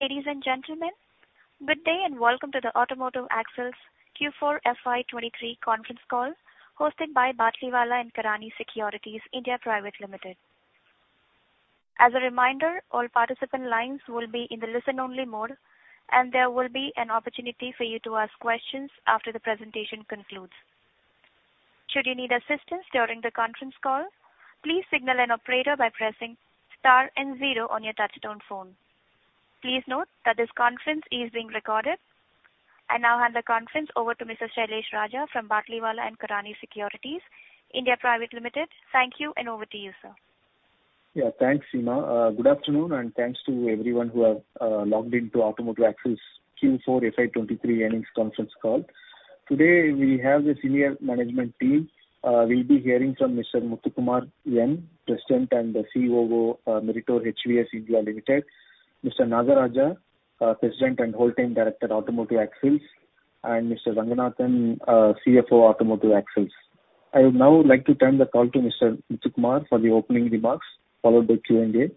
Ladies and gentlemen, good day, and welcome to the Automotive Axles Q4 FY 2023 Conference Call, hosted by Batlivala & Karani Securities India Pvt. Ltd. As a reminder, all participant lines will be in the listen-only mode, and there will be an opportunity for you to ask questions after the presentation concludes. Should you need assistance during the conference call, please signal an operator by pressing star and zero on your touchtone phone. Please note that this conference is being recorded. I now hand the conference over to Mr. Sailesh Raja from Batlivala & Karani Securities India Pvt. Ltd. Thank you, and over to you, sir. Yeah, thanks, Seema. Good afternoon, and thanks to everyone who have logged into Automotive Axles Q4 FY 23 earnings conference call. Today, we have the senior management team. We'll be hearing from Mr. Muthukumar N, President and the CEO of Meritor HVS (India) Limited; Mr. Nagaraja, President and Whole Time Director, Automotive Axles; and Mr. Ranganathan, CFO, Automotive Axles. I would now like to turn the call to Mr. Muthukumar for the opening remarks, followed by Q&A.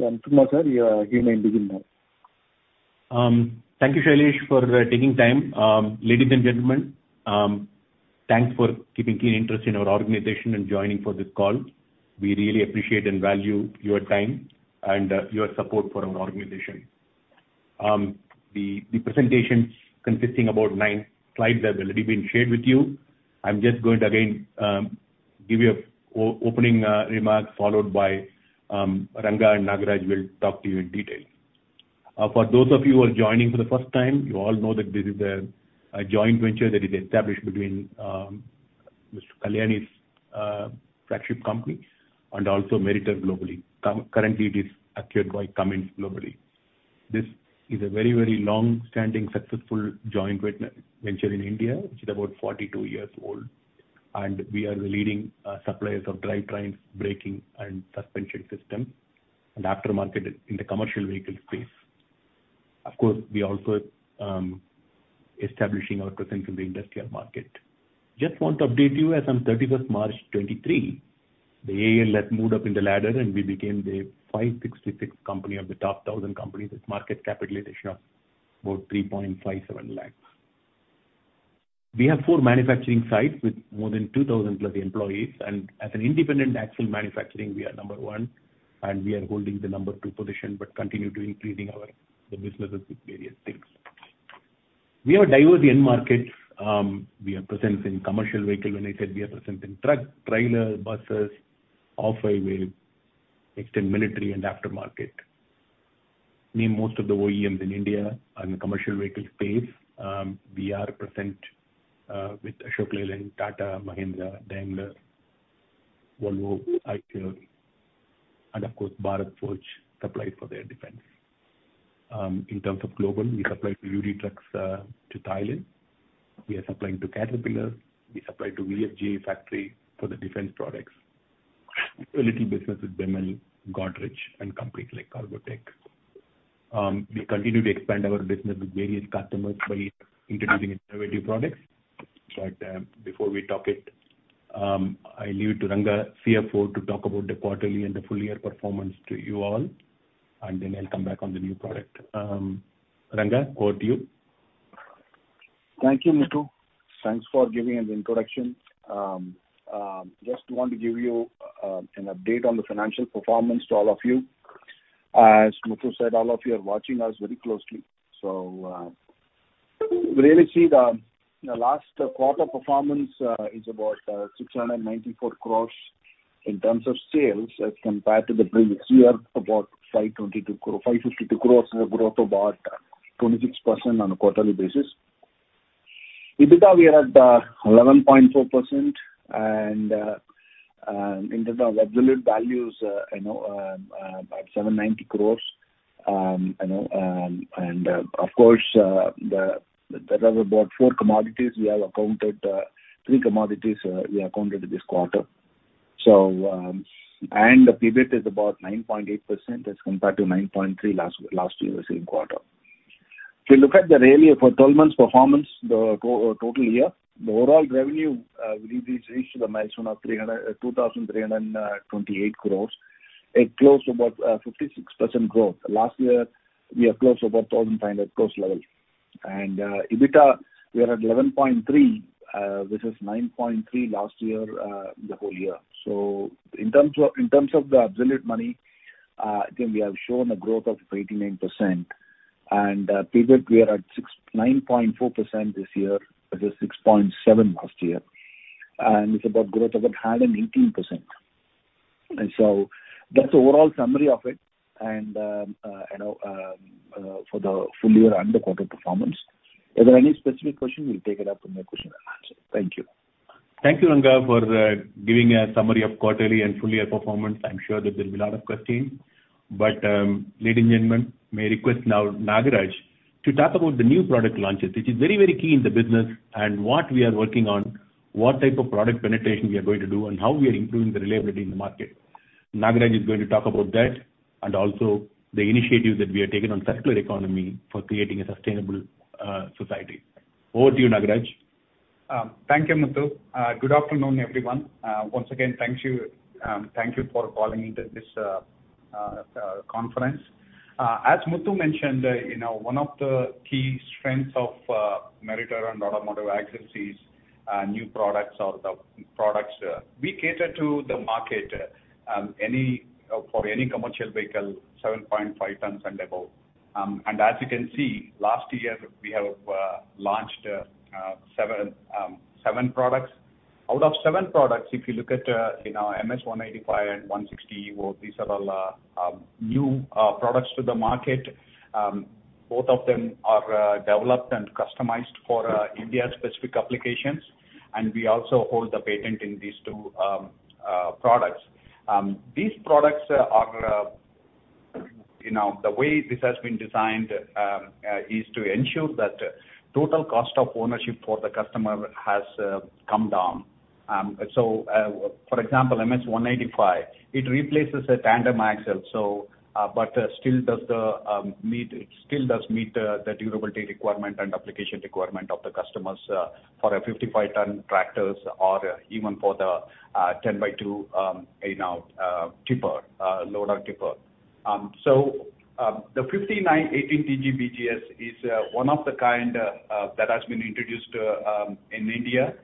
Yeah, Muthukumar, sir, you may begin now. Thank you, Sailesh, for taking time. Ladies and gentlemen, thanks for keeping keen interest in our organization and joining for this call. We really appreciate and value your time and your support for our organization. The presentation consisting about nine slides have already been shared with you. I'm just going to again give you an opening remarks, followed by Ranga and Nagaraj will talk to you in detail. For those of you who are joining for the first time, you all know that this is a joint venture that is established between Mr. Kalyani's flagship company and also Meritor globally. Currently, it is acquired by Cummins globally. This is a very, very long-standing, successful joint venture in India, which is about 42 years old, and we are the leading suppliers of drivetrain, braking, and suspension system, and aftermarket in the commercial vehicle space. Of course, we are also establishing our presence in the industrial market. Just want to update you, as on March 31st, 2023, the AAL has moved up in the ladder and we became the 566 company of the top 1,000 companies with market capitalization of about 3.57 lakhs. We have four manufacturing sites with more than 2,000+ employees, and as an independent axle manufacturing, we are number one, and we are holding the number two position, but continue to increasing our, the businesses with various things. We have diverse end markets. We are present in commercial vehicle, when I said we are present in truck, trailer, buses, off-highway, extend military and aftermarket. We most of the OEMs in India on the commercial vehicle space, we are present, with Ashok Leyland, Tata, Mahindra, Daimler, Volvo, Eicher, and of course, Bharat Forge, supplied for their defense. In terms of global, we supply duty trucks, to Thailand, we are supplying to Caterpillar, we supply to VFJ factory for the defense products, a little business with BEML, Godrej, and companies like Cargotec. We continue to expand our business with various customers by introducing innovative products. But, before we talk it, I leave to Ranga, CFO, to talk about the quarterly and the full-year performance to you all, and then I'll come back on the new product. Ranga, over to you. Thank you, Muthu. Thanks for giving an introduction. Just want to give you an update on the financial performance to all of you. As Muthu said, all of you are watching us very closely, so we really see the last quarter performance is about 694 crore in terms of sales, as compared to the previous year, about 552 crore, a growth about 26% on a quarterly basis. EBITDA, we are at 11.4%, and in terms of absolute values, you know, about 79 crore. You know, and of course, there are about four commodities we have accounted, three commodities we accounted this quarter. So, and the PBT is about 9.8% as compared to 9.3% last year, the same quarter. If you look at the yearly for 12 months performance, the total year, the overall revenue, we, we've reached the milestone of 2,328 crore. It closed about 56% growth. Last year, we have closed about 1,500 crore level. And, EBITDA, we are at 11.3%, which is 9.3% last year, the whole year. So in terms of, in terms of the absolute money, again, we have shown a growth of 89%, and, PBT, we are at 9.4% this year, which is 6.7% last year, and it's about growth of 118%. And so that's the overall summary of it, and, you know, for the full year and the quarter performance. If there are any specific questions, we'll take it up in the question and answer. Thank you. Thank you, Ranga, for giving a summary of quarterly and full year performance. I'm sure that there will be a lot of questions. But, ladies and gentlemen, may request now Nagaraja to talk about the new product launches, which is very, very key in the business, and what we are working on, what type of product penetration we are going to do, and how we are improving the reliability in the market. Nagaraja is going to talk about that and also the initiatives that we have taken on circular economy for creating a sustainable, society. Over to you, Nagaraja. Thank you, Muthu. Good afternoon, everyone. Once again, thank you, thank you for calling into this conference. As Muthu mentioned, you know, one of the key strengths of Meritor and Automotive Axles is new products or the products we cater to the market for any commercial vehicle, 7.5 tons and above. As you can see, last year, we have launched seven products. Out of seven products, if you look at, you know, MS-185 and MS-160, these are all new products to the market. Both of them are developed and customized for India-specific applications, and we also hold the patent in these two products. These products are, you know, the way this has been designed, is to ensure that total cost of ownership for the customer has come down. So, for example, MS-185, it replaces a tandem axle, so but it still does meet the durability requirement and application requirement of the customers for 55-ton tractors or even for the 10x2, you know, tipper, loader tipper. So, the 59T BGS is one of the kind that has been introduced in India.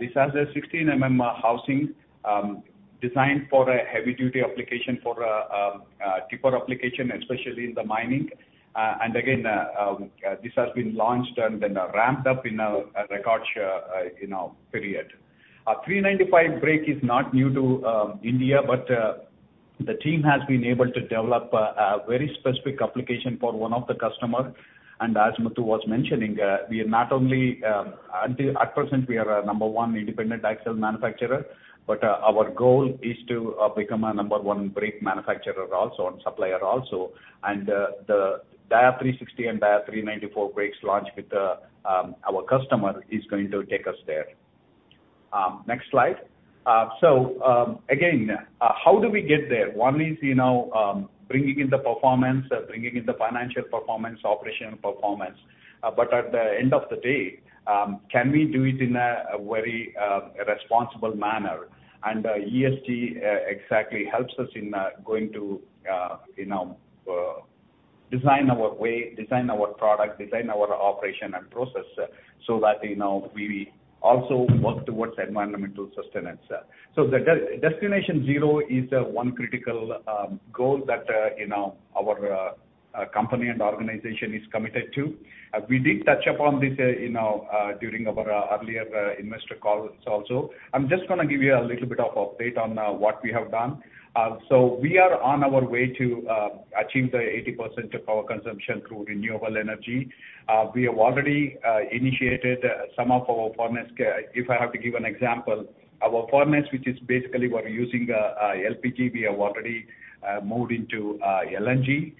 This has a 16 mm housing, designed for a heavy-duty application, for a tipper application, especially in the mining. Again, this has been launched and then ramped up in a record, you know, period. A 394 brake is not new to India, but the team has been able to develop a very specific application for one of the customer. And as Muthu was mentioning, we are not only, at present, we are a number one independent axle manufacturer, but our goal is to become a number one brake manufacturer also, and supplier also. And the Dia 360 and Dia 394 brakes launch with the our customer is going to take us there. Next slide. So again, how do we get there? One is, you know, bringing in the performance, bringing in the financial performance, operational performance. But at the end of the day, can we do it in a very responsible manner? ESG exactly helps us in going to you know design our way, design our product, design our operation and process, so that you know we also work towards environmental sustenance. So Destination Zero is one critical goal that you know our company and organization is committed to. We did touch upon this you know during our earlier investor calls also. I'm just gonna give you a little bit of update on what we have done. So we are on our way to achieve the 80% of power consumption through renewable energy. We have already initiated some of our furnace. If I have to give an example, our furnace, which is basically we're using, LPG, we have already moved into, LNG,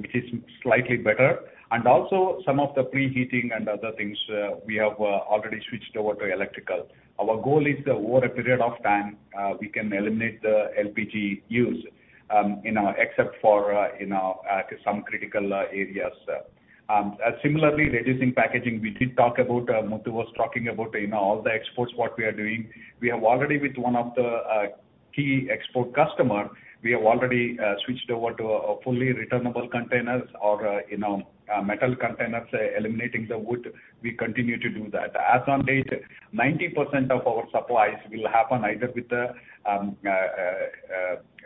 which is slightly better. And also some of the preheating and other things, we have already switched over to electrical. Our goal is that over a period of time, we can eliminate the LPG use, you know, except for, you know, some critical areas. Similarly, reducing packaging, we did talk about, Muthu was talking about, you know, all the exports, what we are doing. We have already with one of the key export customer, we have already switched over to a fully returnable containers or, you know, metal containers, eliminating the wood. We continue to do that. As on date, 90% of our supplies will happen either with the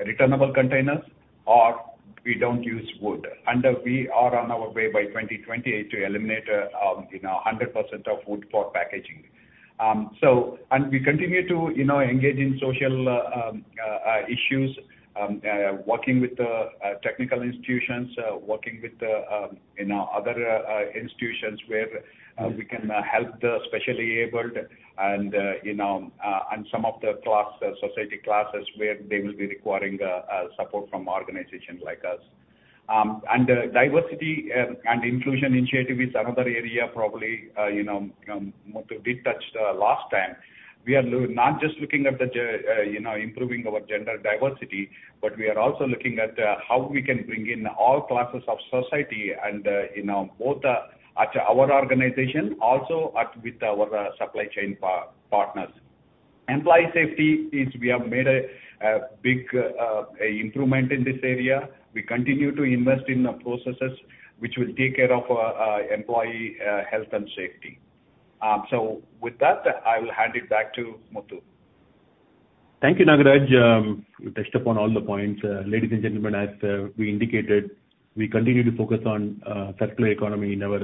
returnable containers, or we don't use wood. And we are on our way by 2028 to eliminate, you know, 100% of wood for packaging. So, and we continue to, you know, engage in social issues, working with the technical institutions, working with the, you know, other institutions where we can help the specially abled and, you know, and some of the class society classes, where they will be requiring support from organizations like us. And diversity and inclusion initiative is another area probably, you know, Muthu did touch the last time. We are not just looking at, you know, improving our gender diversity, but we are also looking at how we can bring in all classes of society and, you know, both at our organization and with our supply chain partners. Employee safety. We have made a big improvement in this area. We continue to invest in the processes which will take care of employee health and safety. So with that, I will hand it back to Muthu. Thank you, Nagaraja. You touched upon all the points. Ladies and gentlemen, as we indicated, we continue to focus on Circular Economy in our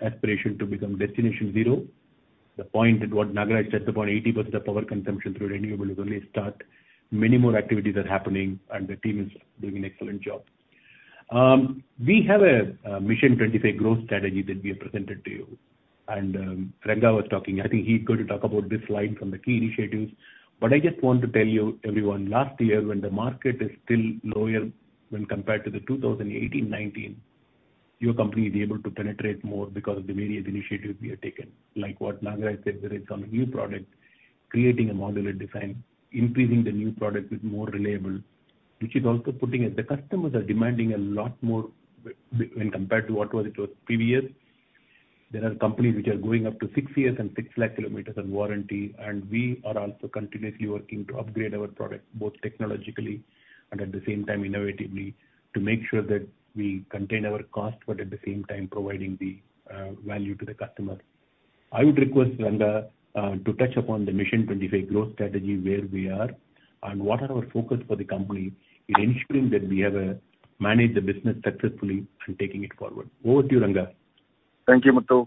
aspiration to become Destination Zero. The point at what Nagaraja touched upon, 80% of power consumption through renewable is only start. Many more activities are happening, and the team is doing an excellent job. We have a Mission 25 growth strategy that we have presented to you, and Ranga was talking. I think he's going to talk about this slide from the key initiatives, but I just want to tell you everyone, last year, when the market is still lower when compared to the 2018, 2019, your company is able to penetrate more because of the various initiatives we have taken. Like what Nagaraja said, the rich on new product, creating a modular design, increasing the new product with more reliable... which is also putting, as the customers are demanding a lot more, when compared to what was it was previous. There are companies which are going up to six years and 600,000 kilometers on warranty, and we are also continuously working to upgrade our product, both technologically and at the same time, innovatively, to make sure that we contain our costs, but at the same time providing the value to the customer. I would request Ranga to touch upon the Mission 25 growth strategy, where we are, and what are our focus for the company in ensuring that we have managed the business successfully and taking it forward. Over to you, Ranga. Thank you, Muthu.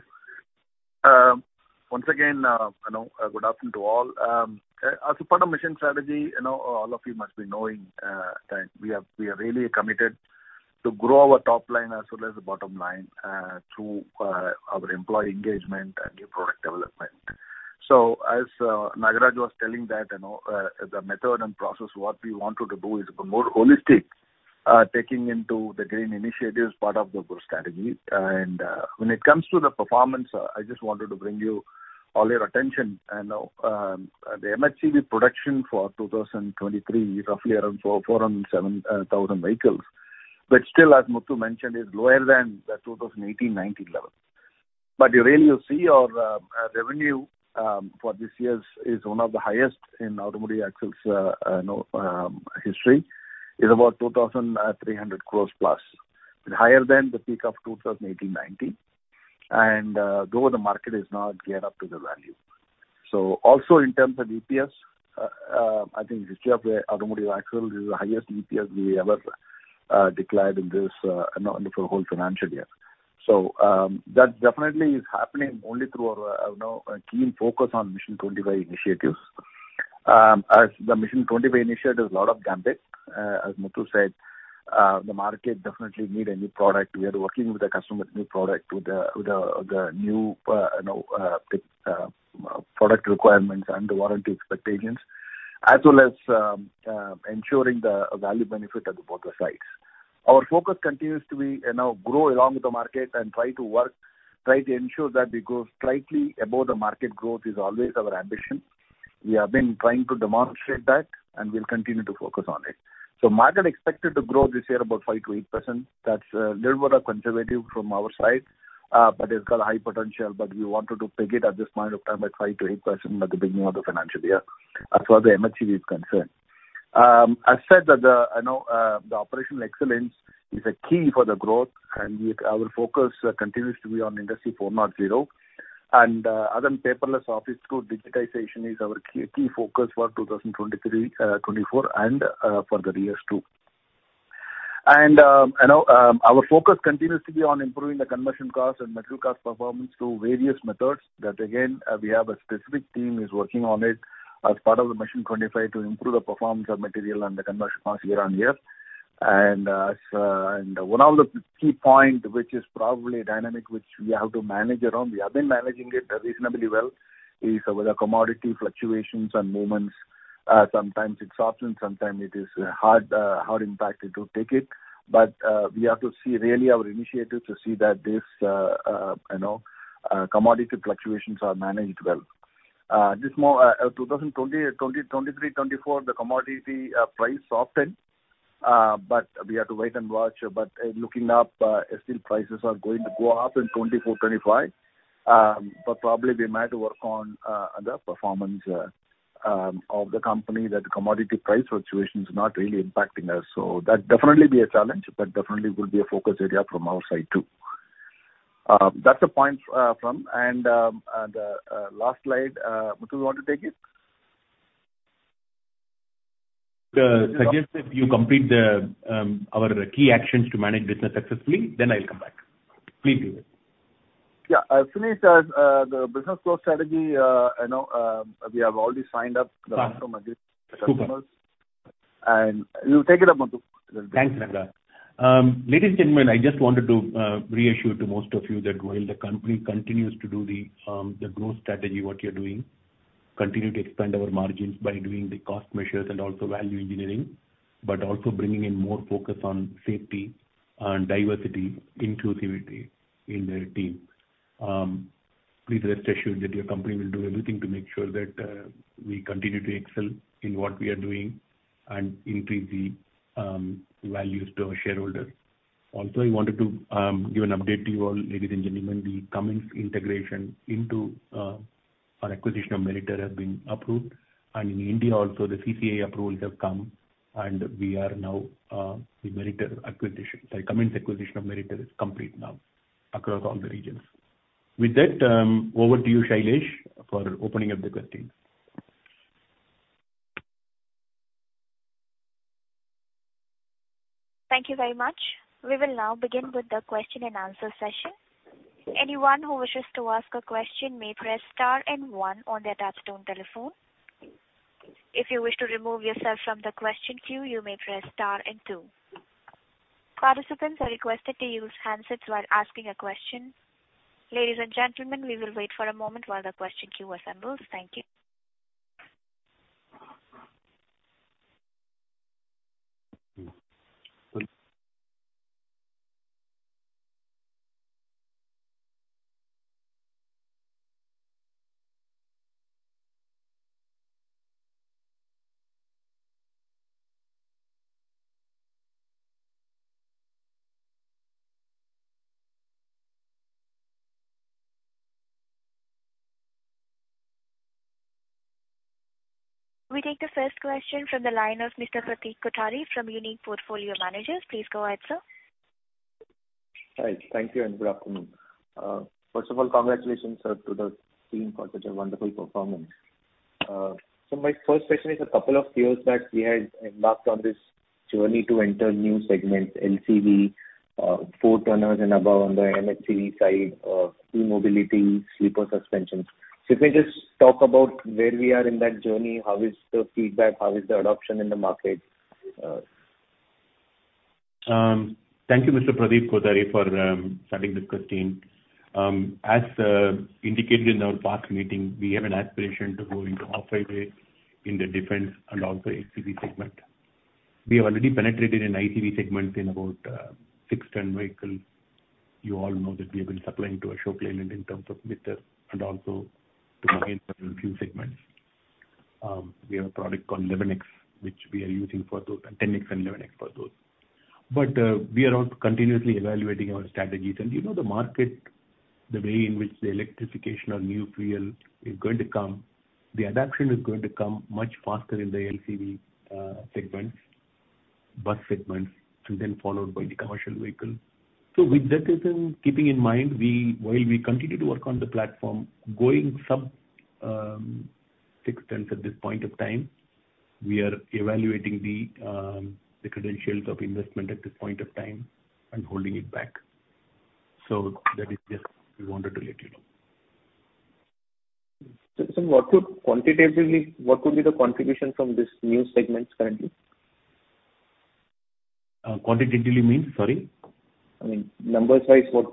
Once again, you know, good afternoon to all. As part of mission strategy, you know, all of you must be knowing that we are, we are really committed to grow our top line as well as the bottom line through our employee engagement and new product development. So as Nagaraj was telling that, you know, the method and process, what we wanted to do is more holistic, taking into the green initiatives, part of the growth strategy. And, when it comes to the performance, I just wanted to bring you all your attention, you know, the MHCV production for 2023, roughly around 407,000 vehicles, which still, as Muthu mentioned, is lower than the 2018-19 level. But really, you see our revenue for this year is one of the highest in Automotive Axles, you know, history, is about 2,300 crores plus, and higher than the peak of 2018, 2019, and though the market is not yet up to the value. So also in terms of EPS, I think history of Automotive Axle, this is the highest EPS we ever declared in this, you know, for the whole financial year. So, that definitely is happening only through our, you know, keen focus on Mission 25 initiatives. As the Mission 25 initiative, there's a lot of gambit. As Muthu said, the market definitely need a new product We are working with the customer's new product, with the new, you know, product requirements and the warranty expectations, as well as, ensuring the value benefit at both sides. Our focus continues to be, you know, grow along with the market and try to work, try to ensure that we grow slightly above the market growth is always our ambition. We have been trying to demonstrate that, and we'll continue to focus on it. So market expected to grow this year about 5%-8%. That's a little bit conservative from our side, but it's got a high potential, but we wanted to peg it at this point of time at 5%-8% at the beginning of the financial year, as far as the MHCV is concerned. I said that the, you know, the operational excellence is a key for the growth, and our focus continues to be on Industry 4.0. Other than paperless office tool, digitization is our key, key focus for 2023, 2024, and for the years, too. You know, our focus continues to be on improving the conversion cost and material cost performance through various methods. That again, we have a specific team is working on it as part of the Mission 25 to improve the performance of material and the conversion cost year on year. One of the key point, which is probably a dynamic which we have to manage around, we have been managing it reasonably well, is with the commodity fluctuations and movements. Sometimes it's often, sometimes it is hard impacted to take it. But we have to see really our initiatives to see that this, you know, commodity fluctuations are managed well. This more 2020, 2023, 2024, the commodity price softened, but we have to wait and watch. But looking up, still prices are going to go up in 2024, 2025. But probably we might work on the performance of the company, that commodity price fluctuations is not really impacting us. So that definitely be a challenge, but definitely will be a focus area from our side, too. That's the point, and last slide, Muthu. You want to take it? Suggest if you complete the, our key actions to manage business successfully, then I'll come back. Please do that. Yeah, I finished as the business growth strategy, you know, we have already signed up- Uh. -the customers. Super. You take it up, Muthu. Thanks, Ranga. Ladies and gentlemen, I just wanted to reassure to most of you that while the company continues to do the growth strategy, continue to expand our margins by doing the cost measures and also value engineering, but also bringing in more focus on safety and diversity inclusivity in the team. Please rest assured that your company will do everything to make sure that we continue to excel in what we are doing and increase the values to our shareholders. Also, I wanted to give an update to you all, ladies and gentlemen, the Cummins integration into our acquisition of Meritor have been approved. And in India also, the CCI approvals have come, and we are now the Meritor acquisition, the Cummins acquisition of Meritor is complete now across all the regions. With that, over to you, Sailesh, for opening up the questions. Thank you very much. We will now begin with the question and answer session. Anyone who wishes to ask a question may press star and one on their touchtone telephone. If you wish to remove yourself from the question queue, you may press star and two. Participants are requested to use handsets while asking a question. Ladies and gentlemen, we will wait for a moment while the question queue assembles. Thank you.... We take the first question from the line of Mr. Pradeep Kothari from Unique Portfolio Managers. Please go ahead, sir. Hi. Thank you, and good afternoon. First of all, congratulations, sir, to the team for such a wonderful performance. So my first question is, a couple of years back, we had embarked on this journey to enter new segments, LCV, 4 tonners and above on the MHCV side, e-mobility, sleeper suspensions. So if you just talk about where we are in that journey, how is the feedback? How is the adoption in the market? Thank you, Mr. Pradeep Kothari, for starting this question. As indicated in our past meeting, we have an aspiration to go into off-highway in the defense and also HCV segment. We have already penetrated in ICV segment in about 6 ton vehicles. You all know that we have been supplying to Ashok Leyland in terms of meters and also to Mahindra in few segments. We have a product called 11X, which we are using for those, and 10X and 11X for those. But we are also continuously evaluating our strategies. And, you know, the market, the way in which the electrification or new fuel is going to come, the adoption is going to come much faster in the LCV segments, bus segments, and then followed by the commercial vehicle. So with that reason, keeping in mind, we, while we continue to work on the platform, going sub six tons at this point of time, we are evaluating the credentials of investment at this point of time and holding it back. So that is just, we wanted to let you know. Sir, what could quantitatively, what could be the contribution from these new segments currently? Quantitatively means, sorry? I mean, numbers wise, what,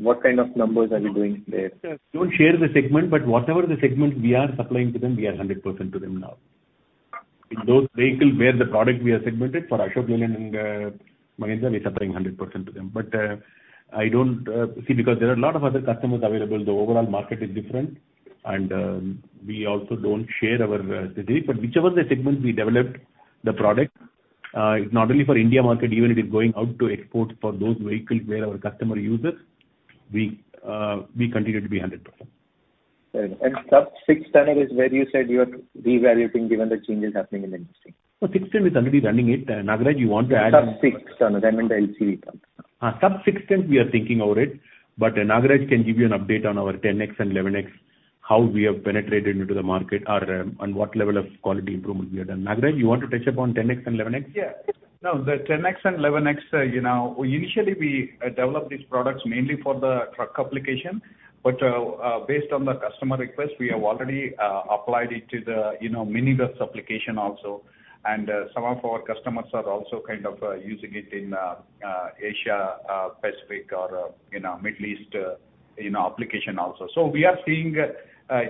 what kind of numbers are you doing there? Don't share the segment, but whatever the segment we are supplying to them, we are 100% to them now. In those vehicle where the product we are segmented for Ashok Leyland and, Mahindra, we're supplying 100% to them. But, I don't... See, because there are a lot of other customers available, the overall market is different, and, we also don't share our, strategy. But whichever the segment we developed the product, it's not only for India market, even it is going out to export for those vehicles where our customer uses, we, we continue to be 100%. Sub 6 ton is where you said you are reevaluating given the changes happening in the industry. No, 6 ton is already running it. Nagaraja, you want to add- Sub-6 ton, that means the LCV. Sub-6 ton we are thinking about it, but Nagaraja can give you an update on our 10X and 11X, how we have penetrated into the market or on what level of quality improvement we have done. Nagaraja, you want to touch upon 10X and 11X? Yeah. Now, the 10X and 11X, you know, initially, we developed these products mainly for the truck application, but based on the customer request, we have already applied it to the minibus application also. And some of our customers are also kind of using it in Asia Pacific or, you know, Middle East application also. So we are seeing,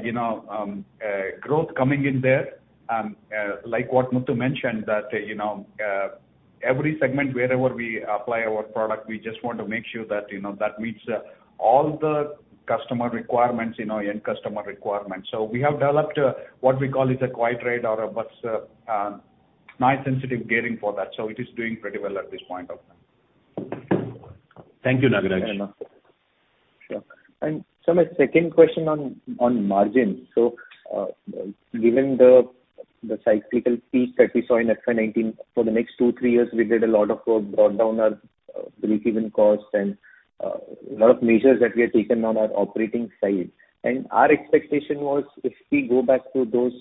you know, growth coming in there. Like what Muthu mentioned, that, you know, every segment, wherever we apply our product, we just want to make sure that, you know, that meets all the customer requirements, you know, end customer requirements. So we have developed what we call is a quiet ride or a bus, noise sensitive gearing for that, so it is doing pretty well at this point of time. Thank you, Nagaraja. And so my second question on margin. So, given the cyclical peak that we saw in FY 2019, for the next two, three years, we did a lot of work, brought down our breakeven costs and lot of measures that we had taken on our operating side. And our expectation was, if we go back to those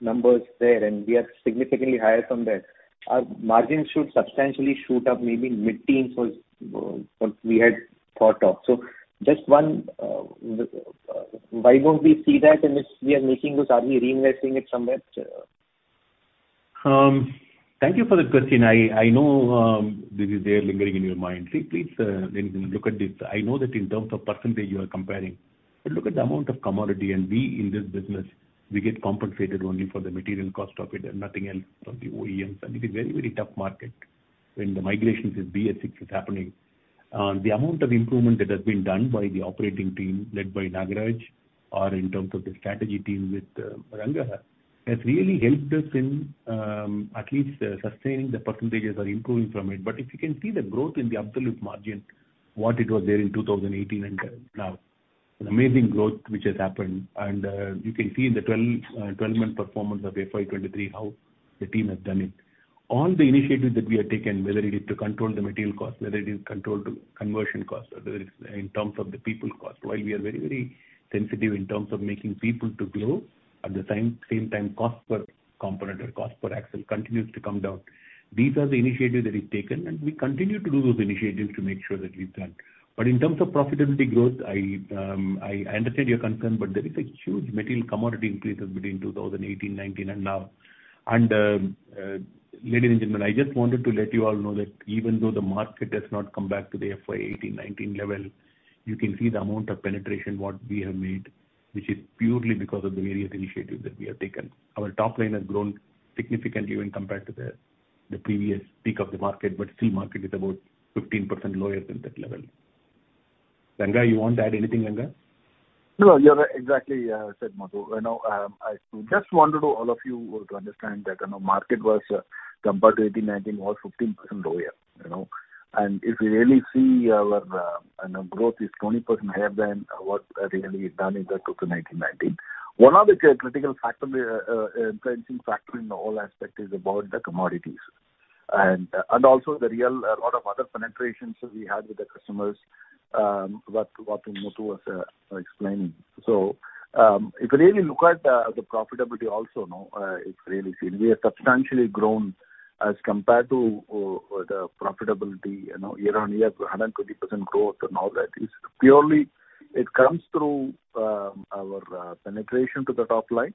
numbers there, and we are significantly higher from there, our margins should substantially shoot up, maybe mid-teen, so what we had thought of. So just one, why don't we see that, and if we are missing those, are we reinvesting it somewhere? Thank you for that question. I know this is there lingering in your mind. Please, please, look at this. I know that in terms of percentage you are comparing, but look at the amount of commodity, and we in this business, we get compensated only for the material cost of it and nothing else from the OEMs. And it is very, very tough market when the migrations in BS-VI is happening. The amount of improvement that has been done by the operating team, led by Nagaraja, or in terms of the strategy team with Ranga, has really helped us in at least sustaining the percentages or improving from it. But if you can see the growth in the absolute margin, what it was there in 2018 and now, an amazing growth which has happened. You can see in the 12-month performance of FY 2023, how the team has done it. All the initiatives that we have taken, whether it is to control the material cost, whether it is control to conversion cost, whether it is in terms of the people cost, while we are very, very sensitive in terms of making people to grow, at the same, same time, cost per component or cost per axle continues to come down. These are the initiatives that is taken, and we continue to do those initiatives to make sure that we plan. But in terms of profitability growth, I understand your concern, but there is a huge material commodity increases between 2018, 2019 and now. And, ladies and gentlemen, I just wanted to let you all know that even though the market has not come back to the FY 2018-2019 level, you can see the amount of penetration what we have made, which is purely because of the various initiatives that we have taken. Our top line has grown significantly when compared to the previous peak of the market, but still market is about 15% lower than that level.... Ranga, you want to add anything, Ranga? No, you have exactly said, Muthu. You know, I just wanted to all of you were to understand that, you know, market was, compared to 2018, 2019, was 15% lower, you know? And if you really see our, you know, growth is 20% higher than what, really done in the 2018, 2019. One of the critical factor, influencing factor in the whole aspect is about the commodities. And, and also the real, a lot of other penetrations we had with the customers, what, what Muthu was, explaining. So, if you really look at, the profitability also, no, it's really seen. We have substantially grown as compared to, the profitability, you know, year-on-year, 120% growth and all that. It's purely, it comes through our penetration to the top line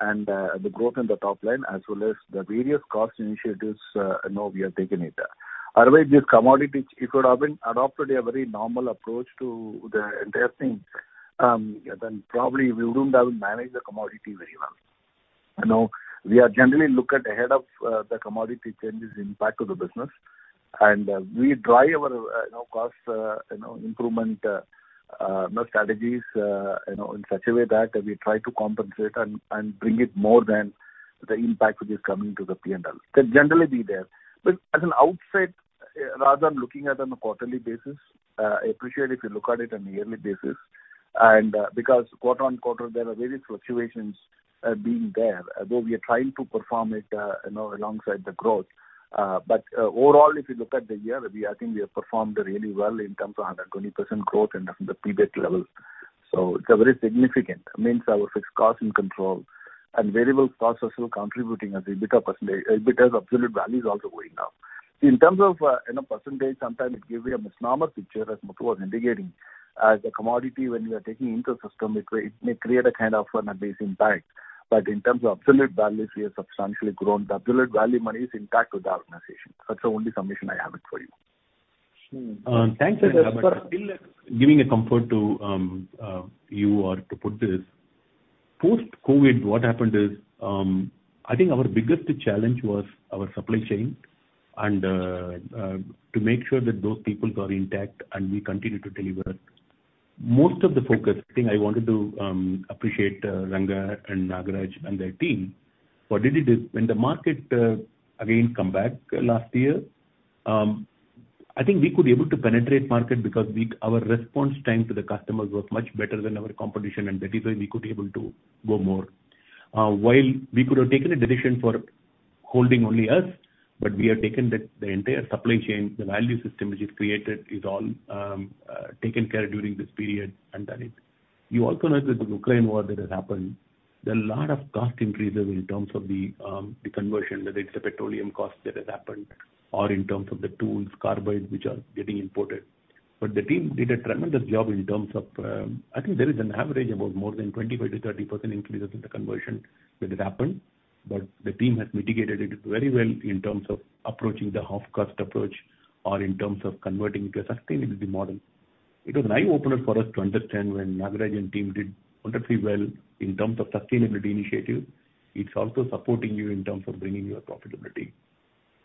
and the growth in the top line, as well as the various cost initiatives, you know, we have taken it there. Otherwise, this commodity, it could have been adopted a very normal approach to the entire thing, then probably we wouldn't have managed the commodity very well. You know, we are generally look at ahead of the commodity changes impact to the business, and we drive our, you know, cost, you know, improvement strategies, you know, in such a way that we try to compensate and bring it more than the impact which is coming to the P&L, can generally be there. But as an outset, rather than looking at on a quarterly basis, I appreciate if you look at it on a yearly basis, and, because quarter-on-quarter, there are various fluctuations, being there. Although we are trying to perform it, you know, alongside the growth. But, overall, if you look at the year, we - I think we have performed really well in terms of 120% growth and from the pre-debt level. So it's a very significant. It means our fixed cost in control and variable costs are still contributing as EBITDA percentage, EBITDA absolute value is also going up. In terms of, you know, percentage, sometimes it gives you a misnomer picture, as Muthu was indicating. As a commodity, when you are taking into the system, it may, it may create a kind of a base impact. But in terms of absolute values, we have substantially grown. The absolute value money is impact to the organization. That's the only submission I have it for you. Thanks, Ranga. But still giving a comfort to you or to put this, post-COVID, what happened is, I think our biggest challenge was our supply chain, and to make sure that those people were intact and we continued to deliver. Most of the focus, I think I wanted to appreciate, Ranga and Nagaraj and their team, what they did is when the market again come back last year, I think we could be able to penetrate market because our response time to the customers was much better than our competition, and that is why we could be able to go more. While we could have taken a decision for holding only us, but we have taken the entire supply chain, the value system which is created, is all taken care during this period, and that is. You also know that the Ukraine war that has happened, there are a lot of cost increases in terms of the, the conversion, whether it's the petroleum cost that has happened or in terms of the tools, carbide, which are getting imported. But the team did a tremendous job in terms of, I think there is an average about more than 25%-30% increases in the conversion that has happened, but the team has mitigated it very well in terms of approaching the half cost approach or in terms of converting into a sustainability model. It was an eye-opener for us to understand when Nagaraja and team did wonderfully well in terms of sustainability initiative. It's also supporting you in terms of bringing your profitability.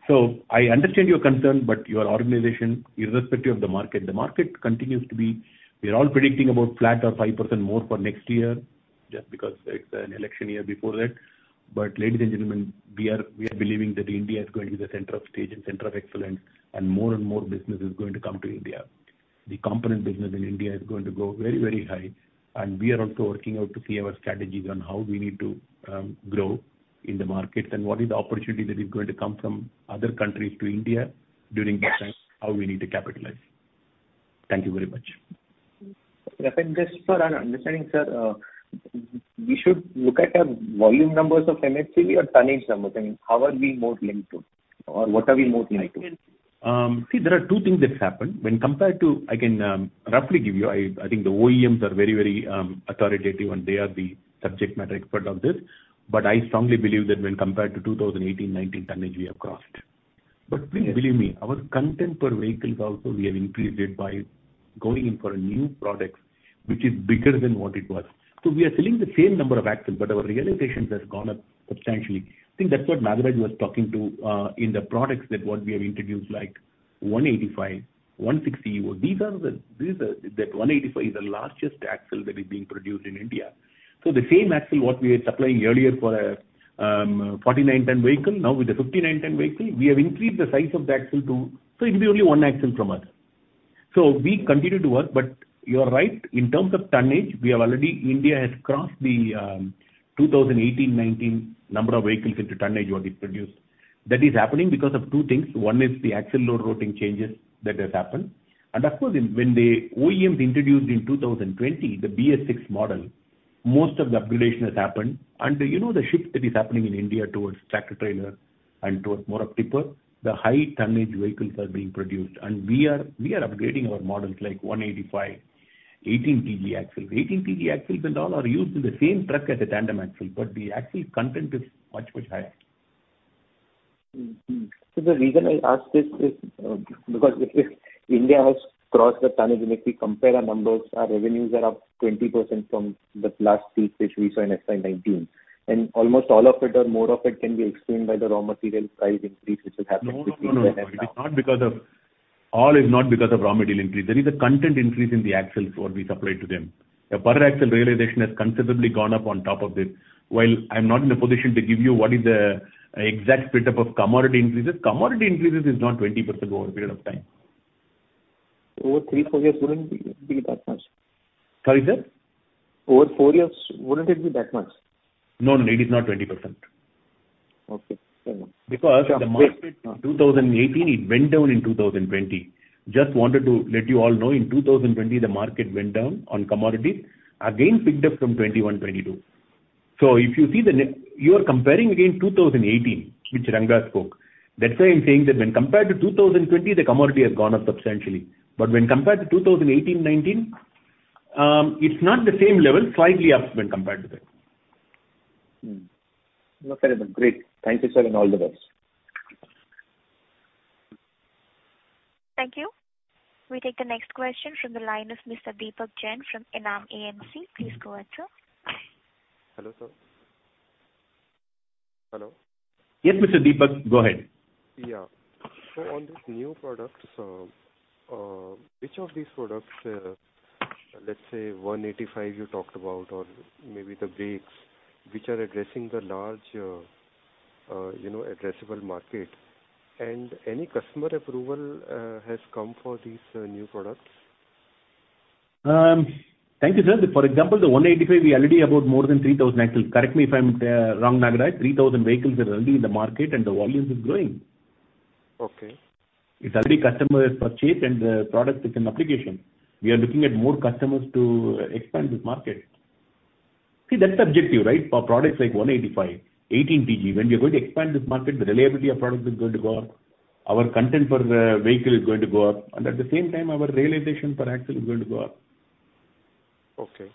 So I understand your concern, but your organization, irrespective of the market, the market continues to be... We are all predicting about flat or 5% more for next year, just because it's an election year before that. But ladies and gentlemen, we are, we are believing that India is going to be the center of stage and center of excellence, and more and more business is going to come to India. The component business in India is going to go very, very high, and we are also working out to see our strategies on how we need to grow in the market, and what is the opportunity that is going to come from other countries to India during that time, how we need to capitalize. Thank you very much. Just for our understanding, sir, we should look at volume numbers of MSP or tonnage numbers, and how are we more linked to, or what are we more linked to? See, there are two things that's happened. When compared to—I can roughly give you, I, I think the OEMs are very, very authoritative, and they are the subject matter expert of this. But I strongly believe that when compared to 2018, 2019 tonnage, we have crossed. But please believe me, our content per vehicles also we have increased it by going in for new products, which is bigger than what it was. So we are selling the same number of axles, but our realizations has gone up substantially. I think that's what Nagaraja was talking to in the products that what we have introduced, like 185, 160. These are. That 185 is the largest axle that is being produced in India. So the same axle what we were supplying earlier for a 49-ton vehicle, now with the 59-ton vehicle, we have increased the size of the axle to. So it will be only one axle from us. So we continue to work, but you are right, in terms of tonnage, we have already. India has crossed the 2018, 2019 number of vehicles into tonnage what is produced. That is happening because of two things. One is the axle load routing changes that has happened. And of course, when the OEMs introduced in 2020, the BS-VI model, most of the upgradation has happened. And you know, the shift that is happening in India towards tractor-trailer and towards more of tipper, the high tonnage vehicles are being produced, and we are upgrading our models like 185, 18TG axle. 18TG axle and all are used in the same truck as a tandem axle, but the axle content is much, much higher. Mm-hmm. So the reason I ask this is, because if India has crossed the tonnage, and if we compare our numbers, our revenues are up 20% from the last peak, which we saw in FY 2019, and almost all of it or more of it can be explained by the raw material price increase, which has happened- No, no, no, no. It's not because of-... All is not because of raw material increase. There is a content increase in the axles what we supply to them. The per axle realization has considerably gone up on top of this. While I'm not in a position to give you what is the exact split up of commodity increases, commodity increases is not 20% over a period of time. Over 3-4 years, wouldn't be that much? Sorry, sir? Over four years, wouldn't it be that much? No, no, it is not 20%. Okay, fair enough. Because the market, 2018, it went down in 2020. Just wanted to let you all know, in 2020, the market went down on commodities. Again, picked up from 2021, 2022. So if you see the ne-- You are comparing again 2018, which Ranga spoke. That's why I'm saying that when compared to 2020, the commodity has gone up substantially. But when compared to 2018, 2019, it's not the same level, slightly up when compared to that. Okay, great. Thank you, sir, and all the best. Thank you. We take the next question from the line of Mr. Deepak Jain from Edelweiss AMC. Please go ahead, sir. Hello, sir. Hello? Yes, Mr. Deepak, go ahead. Yeah. So on this new products, which of these products, let's say, 185 you talked about or maybe the brakes, which are addressing the large, you know, addressable market? And any customer approval has come for these new products? Thank you, sir. For example, the 185, we already about more than 3,000 axles. Correct me if I'm wrong, Nagaraja. 3,000 vehicles are already in the market, and the volumes is growing. Okay. It's already customers purchased, and the product is in application. We are looking at more customers to expand this market. See, that's the objective, right? For products like 185, 18 TG. When we are going to expand this market, the reliability of product is going to go up, our content per vehicle is going to go up, and at the same time, our realization per axle is going to go up. Okay.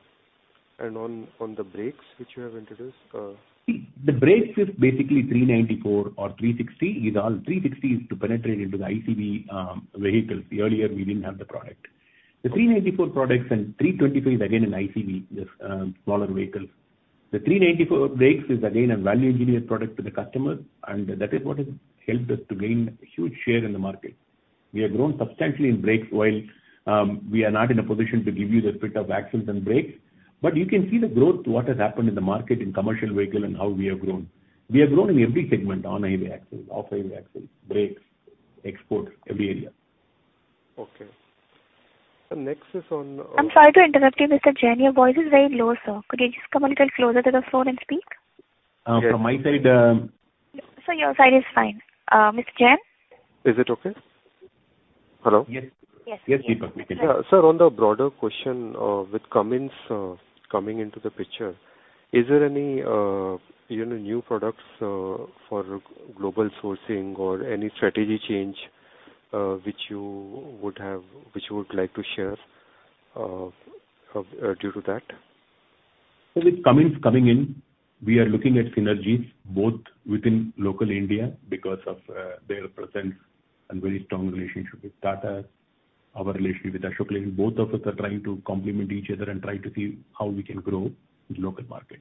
On the brakes, which you have introduced, The brakes is basically 394 or 360 is all. 360 is to penetrate into the ICV vehicles. Earlier, we didn't have the product. The 394 products and 325 is again an ICV, the smaller vehicles. The 394 brakes is again a value-engineered product to the customer, and that is what has helped us to gain huge share in the market. We have grown substantially in brakes while we are not in a position to give you the split of axles and brakes, but you can see the growth, what has happened in the market in commercial vehicle and how we have grown. We have grown in every segment, on highway axles, off highway axles, brakes, exports, every area. Okay. So next is on, I'm sorry to interrupt you, Mr. Jain. Your voice is very low, sir. Could you just come a little closer to the phone and speak? From my side, Sir, your side is fine. Mr. Jain? Is it okay? Hello. Yes. Yes. Yes, Deepak. Yeah. Sir, on the broader question, with Cummins coming into the picture, is there any, you know, new products for global sourcing or any strategy change, which you would have—which you would like to share, due to that? With Cummins coming in, we are looking at synergies both within local India because of their presence and very strong relationship with Tata, our relationship with Ashok Leyland. Both of us are trying to complement each other and try to see how we can grow in the local market.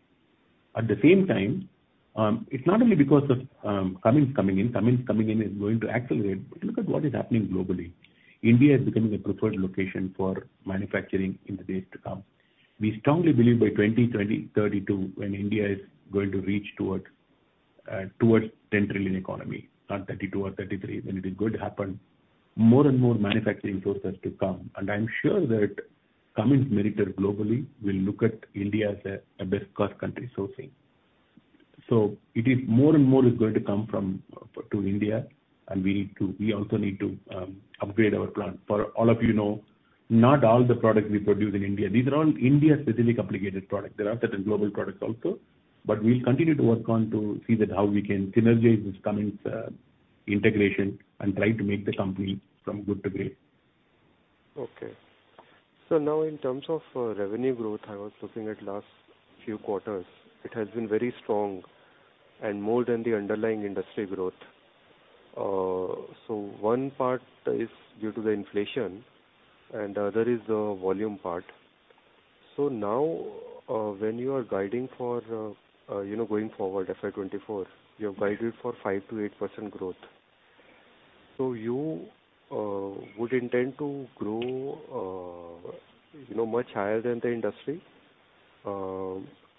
At the same time, it's not only because of Cummins coming in. Cummins coming in is going to accelerate. But look at what is happening globally. India is becoming a preferred location for manufacturing in the days to come. We strongly believe by 2032, when India is going to reach toward towards 10 trillion economy, not 2032 or 2033, when it is going to happen, more and more manufacturing sources to come. And I'm sure that Cummins Meritor globally will look at India as a best cost country sourcing. So it is more and more is going to come from to India, and we also need to upgrade our plant. For all of you know, not all the products we produce in India. These are all India-specific application products. There are certain global products also, but we'll continue to work on to see that how we can synergize this Cummins integration and try to make the company from good to great. Okay. So now in terms of revenue growth, I was looking at last few quarters, it has been very strong and more than the underlying industry growth. So one part is due to the inflation and the other is the volume part. So now, when you are guiding for, you know, going forward, FY 2024, you have guided for 5%-8% growth. So you would intend to grow, you know, much higher than the industry,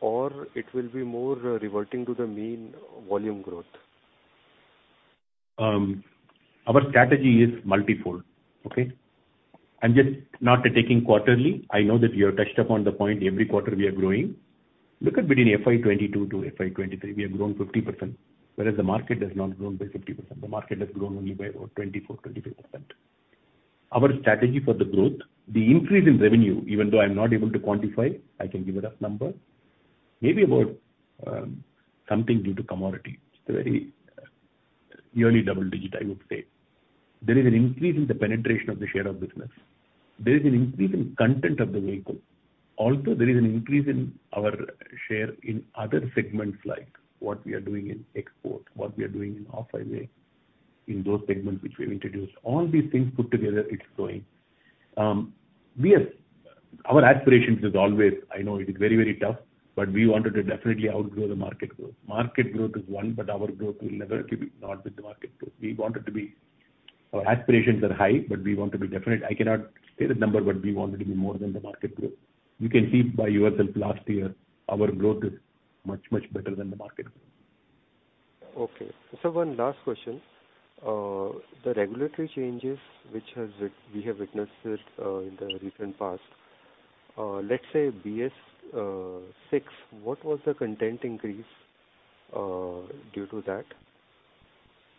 or it will be more reverting to the mean volume growth? Our strategy is multifold, okay? I'm just not taking quarterly. I know that you have touched upon the point every quarter we are growing. Look at between FY 2022 to FY 2023, we have grown 50%, whereas the market has not grown by 50%. The market has grown only by about 24%-25%. Our strategy for the growth, the increase in revenue, even though I'm not able to quantify, I can give a rough number, maybe about, something due to commodity. It's a very yearly double digit, I would say. There is an increase in the penetration of the share of business. There is an increase in content of the vehicle. Also, there is an increase in our share in other segments, like what we are doing in export, what we are doing in off-highway, in those segments which we have introduced. All these things put together, it's growing. Our aspirations is always, I know it is very, very tough, but we wanted to definitely outgrow the market growth. Market growth is one, but our growth will never keep it not with the market growth. We want it to be. Our aspirations are high, but we want to be definite. I cannot state a number, but we want it to be more than the market growth. You can see by yourself last year, our growth is much, much better than the market. Okay. So one last question. The regulatory changes which has, we have witnessed it, in the recent past, let's say BS-VI, what was the content increase due to that?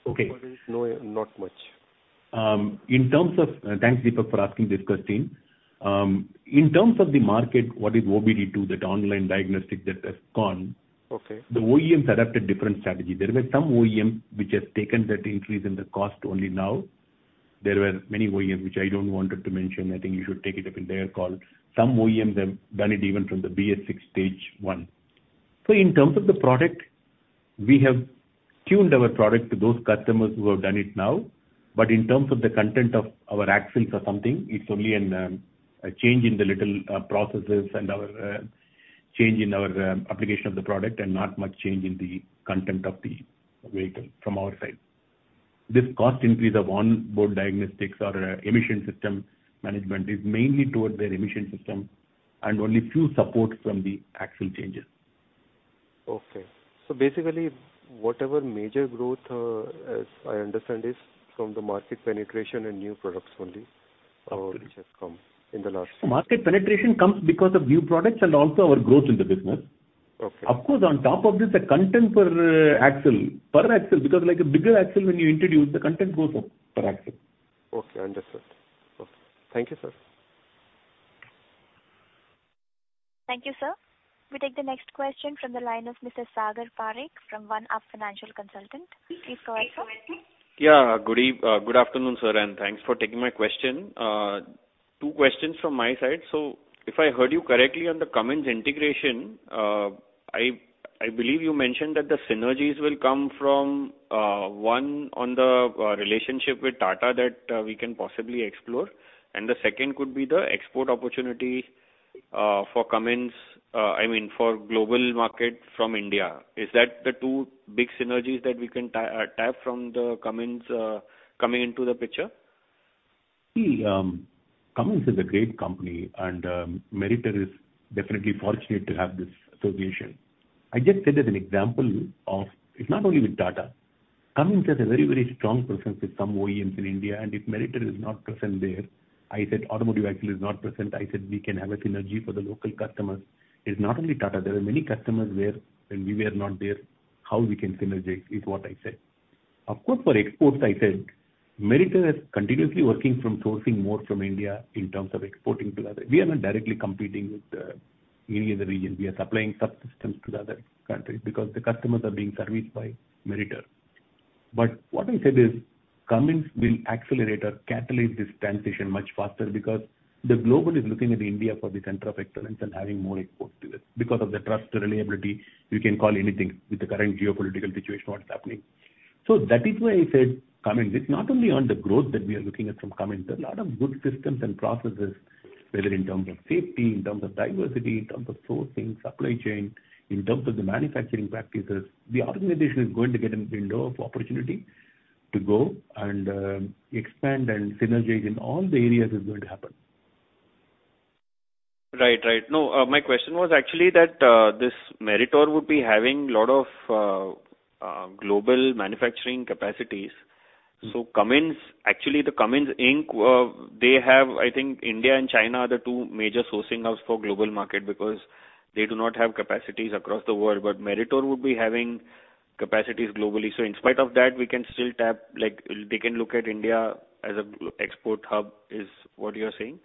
Okay. No, not much. Thanks, Deepak, for asking this question. In terms of the market, what is OBD-2, that online diagnostic that has gone- Okay. The OEMs adopted different strategy. There were some OEMs which have taken that increase in the cost only now. There were many OEMs which I don't wanted to mention. I think you should take it up in their call. Some OEMs have done it even from the BS6 stage one. So in terms of the product, we have tuned our product to those customers who have done it now. But in terms of the content of our axles or something, it's only an, a change in the little, processes and our, change in our, application of the product, and not much change in the content of the vehicle from our side. This cost increase of onboard diagnostics or, emission system management is mainly toward their emission system and only few support from the axle changes. Okay. So basically, whatever major growth, as I understand, is from the market penetration and new products only, which has come in the last- Market penetration comes because of new products and also our growth in the business. Okay. Of course, on top of this, the content per axle, per axle, because like a bigger axle, when you introduce, the content goes up per axle. Okay, understood. Okay. Thank you, sir. Thank you, sir. We take the next question from the line of Mr. Sagar Parekh, from One Up Financial Consultants. Please go ahead, sir. Yeah. Good afternoon, sir, and thanks for taking my question. Two questions from my side. So if I heard you correctly on the Cummins integration, I, I believe you mentioned that the synergies will come from one on the relationship with Tata, that we can possibly explore, and the second could be the export opportunity for Cummins, I mean, for global market from India. Is that the two big synergies that we can tap from the Cummins coming into the picture? See, Cummins is a great company, and, Meritor is definitely fortunate to have this association. I just said as an example of... It's not only with Tata. Cummins has a very, very strong presence with some OEMs in India, and if Meritor is not present there, I said Automotive Axles is not present, I said we can have a synergy for the local customers. It's not only Tata, there are many customers where, when we were not there, how we can synergize, is what I said. Of course, for exports, I said Meritor is continuously working from sourcing more from India in terms of exporting to other. We are not directly competing with any of the regions. We are supplying subsystems to the other countries because the customers are being serviced by Meritor. But what I said is, Cummins will accelerate or catalyze this transition much faster because the global is looking at India for the center of excellence and having more exports to it. Because of the trust and reliability, you can call anything with the current geopolitical situation, what is happening. So that is why I said Cummins. It's not only on the growth that we are looking at from Cummins, there are a lot of good systems and processes, whether in terms of safety, in terms of diversity, in terms of sourcing, supply chain, in terms of the manufacturing practices. The organization is going to get a window of opportunity to go and expand and synergize in all the areas is going to happen. Right. Right. No, my question was actually that, this Meritor would be having a lot of, global manufacturing capacities. Mm-hmm. So Cummins, actually, the Cummins Inc., they have, I think India and China are the two major sourcing hubs for global market because they do not have capacities across the world, but Meritor would be having capacities globally. So in spite of that, we can still tap, like, they can look at India as a global export hub, is what you are saying?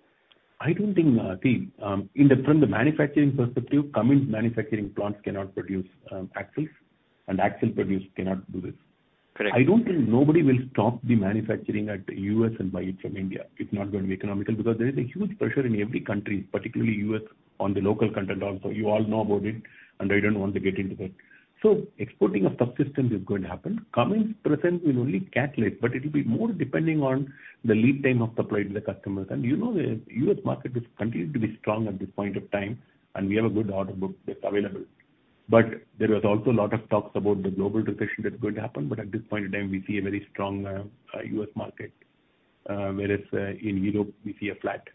I don't think from the manufacturing perspective, Cummins manufacturing plants cannot produce axles, and axle producers cannot do this. Correct. I don't think nobody will stop the manufacturing at the U.S. and buy it from India. It's not going to be economical because there is a huge pressure in every country, particularly U.S., on the local content also. You all know about it, and I don't want to get into that. So exporting of subsystems is going to happen. Cummins presence will only catalyze, but it will be more depending on the lead time of supply to the customers. You know, the U.S. market is continued to be strong at this point of time, and we have a good order book that's available. There was also a lot of talks about the global recession that's going to happen, but at this point in time, we see a very strong, U.S. market, whereas, in Europe, we see a flat.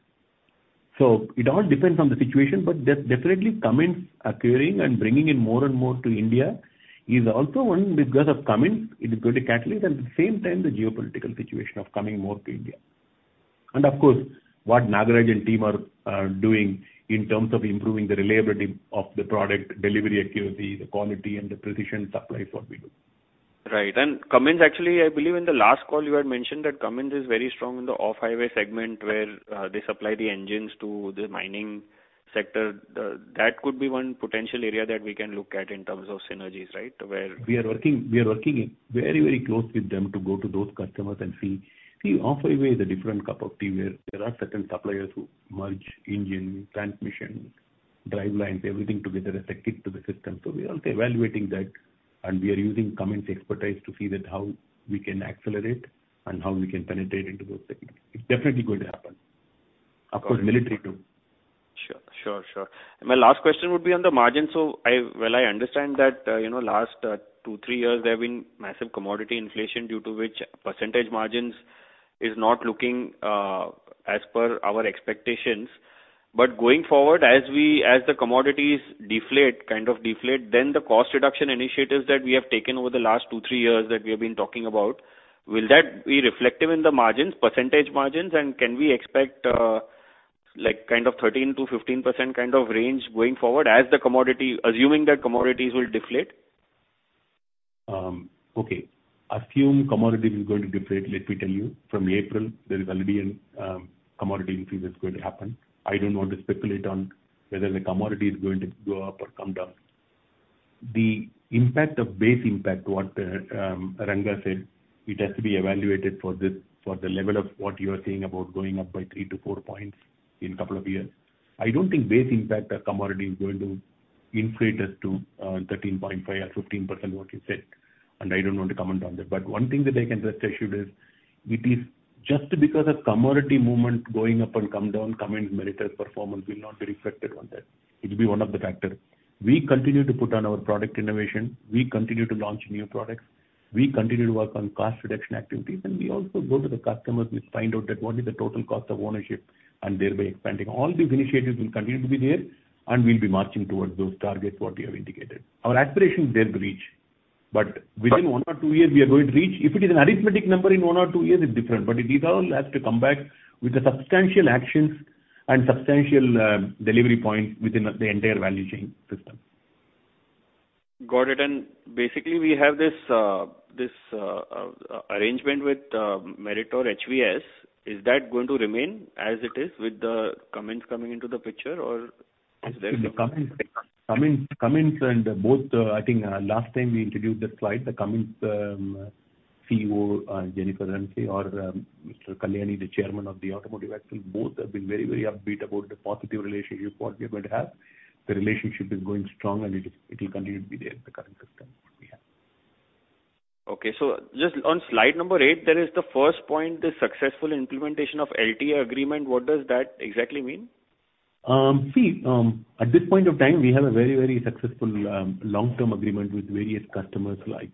So it all depends on the situation, but there's definitely Cummins acquiring and bringing in more and more to India, is also one because of Cummins, it is going to catalyze, at the same time, the geopolitical situation of coming more to India. And of course, what Nagaraja and team are doing in terms of improving the reliability of the product, delivery accuracy, the quality, and the precision supply is what we do. Right. And Cummins, actually, I believe in the last call, you had mentioned that Cummins is very strong in the off-highway segment, where they supply the engines to the mining sector. That could be one potential area that we can look at in terms of synergies, right? Where- We are working, we are working very, very close with them to go to those customers and see. See, off-highway is a different cup of tea, where there are certain suppliers who merge engine, transmission, drivelines, everything together is a kick to the system. So we are evaluating that, and we are using Cummins expertise to see that how we can accelerate and how we can penetrate into those segments. It's definitely going to happen. Of course, military, too. Sure, sure, sure. My last question would be on the margin. So I, well, I understand that, you know, last 2, 3 years, there have been massive commodity inflation, due to which percentage margins is not looking as per our expectations. But going forward, as the commodities deflate, kind of deflate, then the cost reduction initiatives that we have taken over the last 2, 3 years that we have been talking about, will that be reflective in the margins, percentage margins? And can we expect, like, kind of 13%-15% kind of range going forward as the commodity—assuming that commodities will deflate? Okay. Assume commodity is going to deflate, let me tell you, from April, there is already a commodity increase that's going to happen. I don't want to speculate on whether the commodity is going to go up or come down. The impact of base impact, what Ranga said, it has to be evaluated for the, for the level of what you are saying about going up by 3-4 points in a couple of years. I don't think base impact of commodity is going to inflate us to 13.5% or 15%, what you said, and I don't want to comment on that. But one thing that I can just assure you is, it is just because of commodity movement going up and come down, Cummins Meritor performance will not be reflected on that. It will be one of the factors. We continue to put on our product innovation, we continue to launch new products, we continue to work on cost reduction activities, and we also go to the customers, we find out that what is the total cost of ownership, and thereby expanding. All these initiatives will continue to be there, and we'll be marching towards those targets, what we have indicated. Our aspiration is there to reach, but within one or two years, we are going to reach. If it is an arithmetic number in one or two years, it's different, but it is all has to come back with a substantial actions and substantial delivery point within the entire value chain system. Got it. And basically, we have this arrangement with Meritor HVS. Is that going to remain as it is with the Cummins coming into the picture or is there no? Cummins, Cummins, and both, I think, last time we introduced the slide, the Cummins CEO, Jennifer Rumsey, or, Mr. Kalyani, the Chairman of Automotive Axles, both have been very, very upbeat about the positive relationship what we are going to have. The relationship is going strong and it, it will continue to be there, the current system what we have. Okay. Just on slide number 8, there is the first point, the successful implementation of LTA agreement. What does that exactly mean? See, at this point of time, we have a very, very successful long-term agreement with various customers, like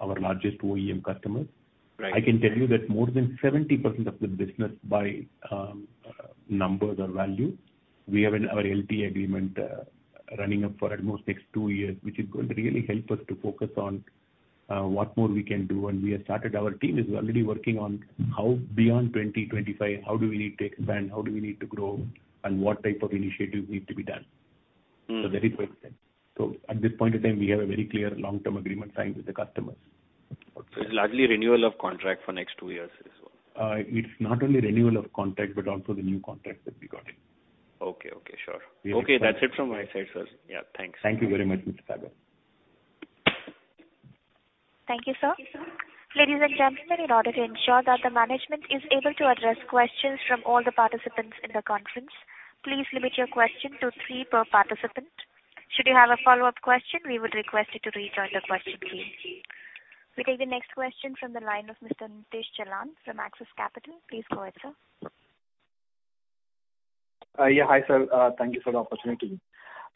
our largest OEM customer. Right. I can tell you that more than 70% of the business by numbers or value we have in our LTA agreement running up for at most next two years, which is going to really help us to focus on what more we can do. And we have started; our team is already working on how beyond 2025, how do we need to expand, how do we need to grow, and what type of initiatives need to be done. Mm. That is what I said. At this point in time, we have a very clear long-term agreement signed with the customers. It's largely renewal of contract for next two years as well. It's not only renewal of contract, but also the new contract that we got in. Okay, okay, sure. Yeah. Okay, that's it from my side, sir. Yeah, thanks. Thank you very much, Mr. Sagar. Thank you, sir. Ladies and gentlemen, in order to ensure that the management is able to address questions from all the participants in the conference, please limit your question to three per participant. Should you have a follow-up question, we would request you to rejoin the question please. We take the next question from the line of Mr. Nishit Jalan from Axis Capital. Please go ahead, sir. Yeah, hi, sir. Thank you for the opportunity.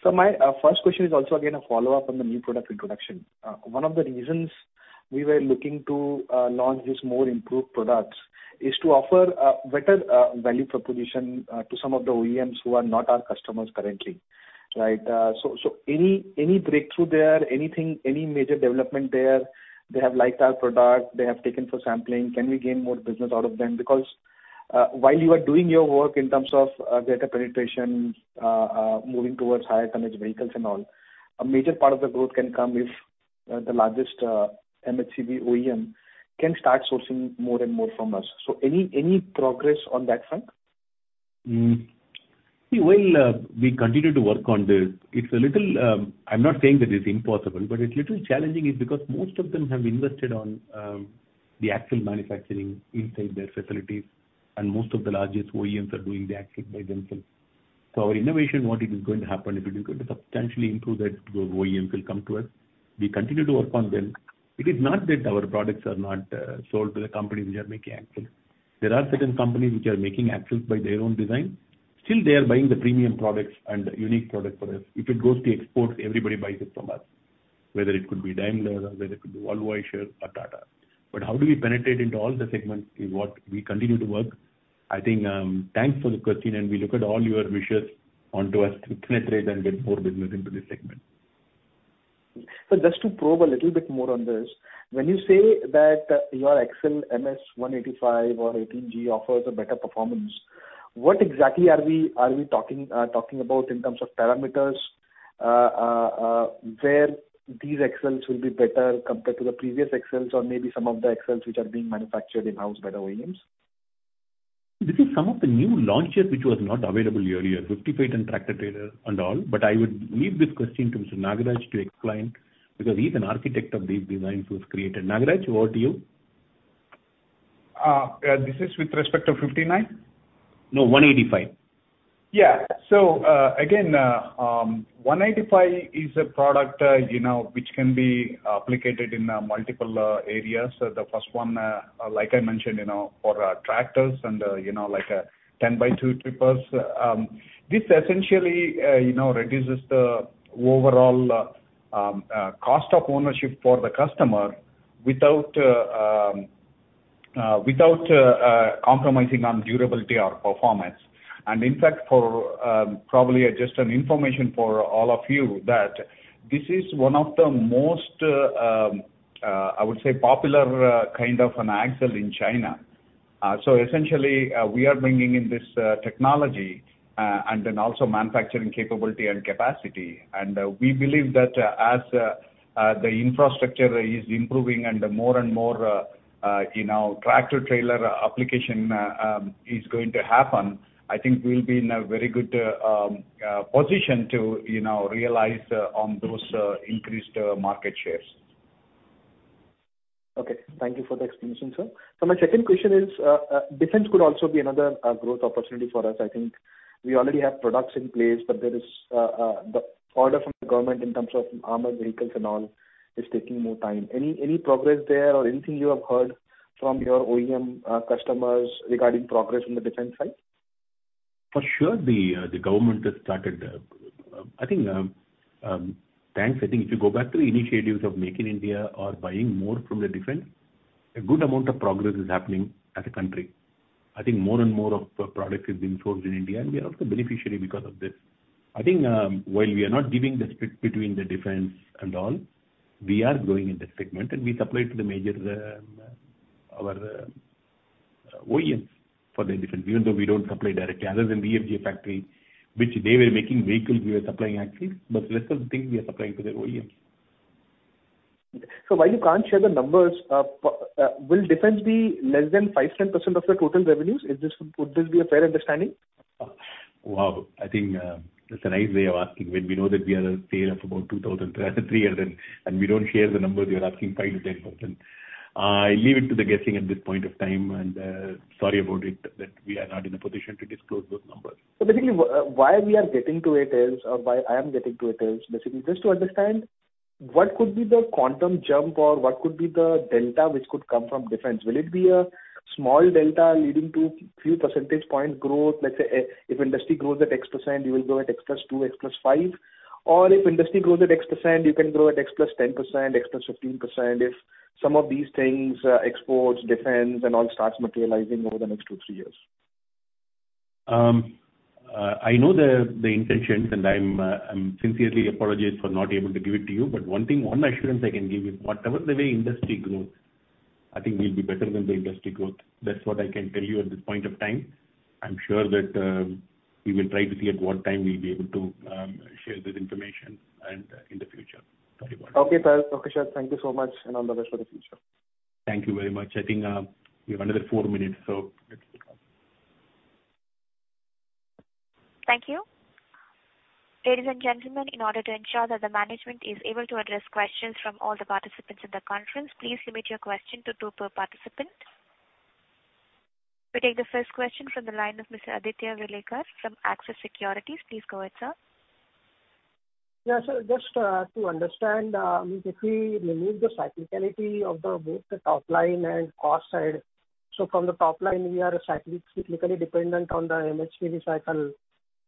So my first question is also, again, a follow-up on the new product introduction. One of the reasons we were looking to launch these more improved products is to offer better value proposition to some of the OEMs who are not our customers currently. Right? So any breakthrough there, anything, any major development there? They have liked our product, they have taken for sampling. Can we gain more business out of them? Because while you are doing your work in terms of data penetration, moving towards higher tonnage vehicles and all, a major part of the growth can come if the largest MHCV OEM can start sourcing more and more from us. So any progress on that front? See, while we continue to work on this, it's a little... I'm not saying that it's impossible, but it's a little challenging is because most of them have invested on the axle manufacturing inside their facilities, and most of the largest OEMs are doing the axle by themselves. So our innovation, what it is going to happen, if it is going to substantially improve that, those OEMs will come to us. We continue to work on them. It is not that our products are not sold to the companies which are making axles. There are certain companies which are making axles by their own design. Still, they are buying the premium products and unique product for us. If it goes to export, everybody buys it from us, whether it could be Daimler, whether it could be Volvo or Tata. But how do we penetrate into all the segments is what we continue to work. I think, thanks for the question, and we look at all your wishes onto us to penetrate and get more business into this segment. So just to probe a little bit more on this, when you say that your axle MS-185 or 18G offers a better performance, what exactly are we talking about in terms of parameters? Where these axles will be better compared to the previous axles or maybe some of the axles which are being manufactured in-house by the OEMs? This is some of the new launches which was not available earlier, 58 and tractor trailer and all. But I would leave this question to Mr. Nagaraja to explain, because he's an architect of these designs was created. Nagaraja, over to you.... This is with respect to 59? No, 185. Yeah. So, again, 185 is a product, you know, which can be applied in multiple areas. So the first one, like I mentioned, you know, for tractors and, you know, like, 10-by-2 tippers. This essentially, you know, reduces the overall cost of ownership for the customer without compromising on durability or performance. And in fact, probably just for information for all of you, that this is one of the most, I would say, popular kind of an axle in China. So essentially, we are bringing in this technology, and then also manufacturing capability and capacity. We believe that as the infrastructure is improving and more and more, you know, tractor-trailer application is going to happen, I think we'll be in a very good position to, you know, realize on those increased market shares. Okay. Thank you for the explanation, sir. So my second question is, defense could also be another growth opportunity for us. I think we already have products in place, but there is the order from the government in terms of armored vehicles and all, is taking more time. Any progress there or anything you have heard from your OEM customers regarding progress on the defense side? For sure, the government has started, I think, thanks. I think if you go back to the initiatives of Make in India or buying more from the defense, a good amount of progress is happening as a country. I think more and more of the product is being sourced in India, and we are also beneficiary because of this. I think, while we are not giving the split between the defense and all, we are growing in that segment, and we supply to the major, our OEMs for the defense, even though we don't supply directly. Other than the VFJ factory, which they were making vehicles, we were supplying axles, but rest of the things we are supplying to the OEMs. So while you can't share the numbers, will defense be less than 5%-10% of the total revenues? Is this, would this be a fair understanding? Wow! I think, that's a nice way of asking, when we know that we are a sale of about 2,300, and we don't share the numbers, you're asking 5%-10%. I leave it to the guessing at this point of time, and, sorry about it, that we are not in a position to disclose those numbers. So basically, why we are getting to it is, or why I am getting to it is, basically just to understand what could be the quantum jump or what could be the delta which could come from defense. Will it be a small delta leading to few percentage point growth? Let's say, if industry grows at X%, you will grow at X plus two, X plus five, or if industry grows at X%, you can grow at X plus 10%, X plus 15%, if some of these things, exports, defense, and all starts materializing over the next two, three years. I know the intentions, and I sincerely apologize for not able to give it to you. But one thing, one assurance I can give you, whatever the way industry grows, I think we'll be better than the industry growth. That's what I can tell you at this point of time. I'm sure that we will try to see at what time we'll be able to share this information and in the future. Sorry about it. Okay, sir. Okay, sir, thank you so much, and all the best for the future. Thank you very much. I think, we have another 4 minutes, so let's- Thank you. Ladies and gentlemen, in order to ensure that the management is able to address questions from all the participants in the conference, please limit your question to two per participant. We take the first question from the line of Mr. Aditya Welekar from Axis Securities. Please go ahead, sir. Yeah, so just to understand, if we remove the cyclicality of the both the top line and cost side. So from the top line, we are cyclic, cyclically dependent on the MHCV cycle,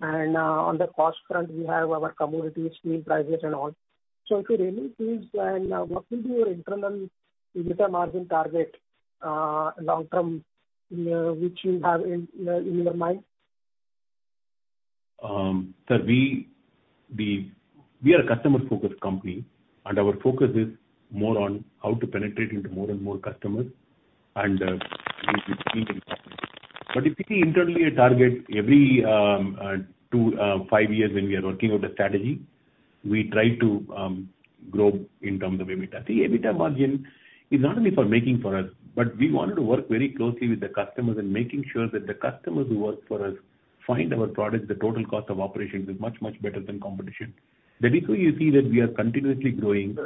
and on the cost front, we have our commodity, steel prices and all. So if you remove these, then what will be your internal EBITDA margin target, long term, which you have in your mind? So we are a customer-focused company, and our focus is more on how to penetrate into more and more customers, and but if we internally target every two-five years when we are working on the strategy, we try to grow in terms of EBITDA. See, EBITDA margin is not only for making for us, but we wanted to work very closely with the customers and making sure that the customers who work for us find our products, the total cost of operations is much, much better than competition. That is why you see that we are continuously growing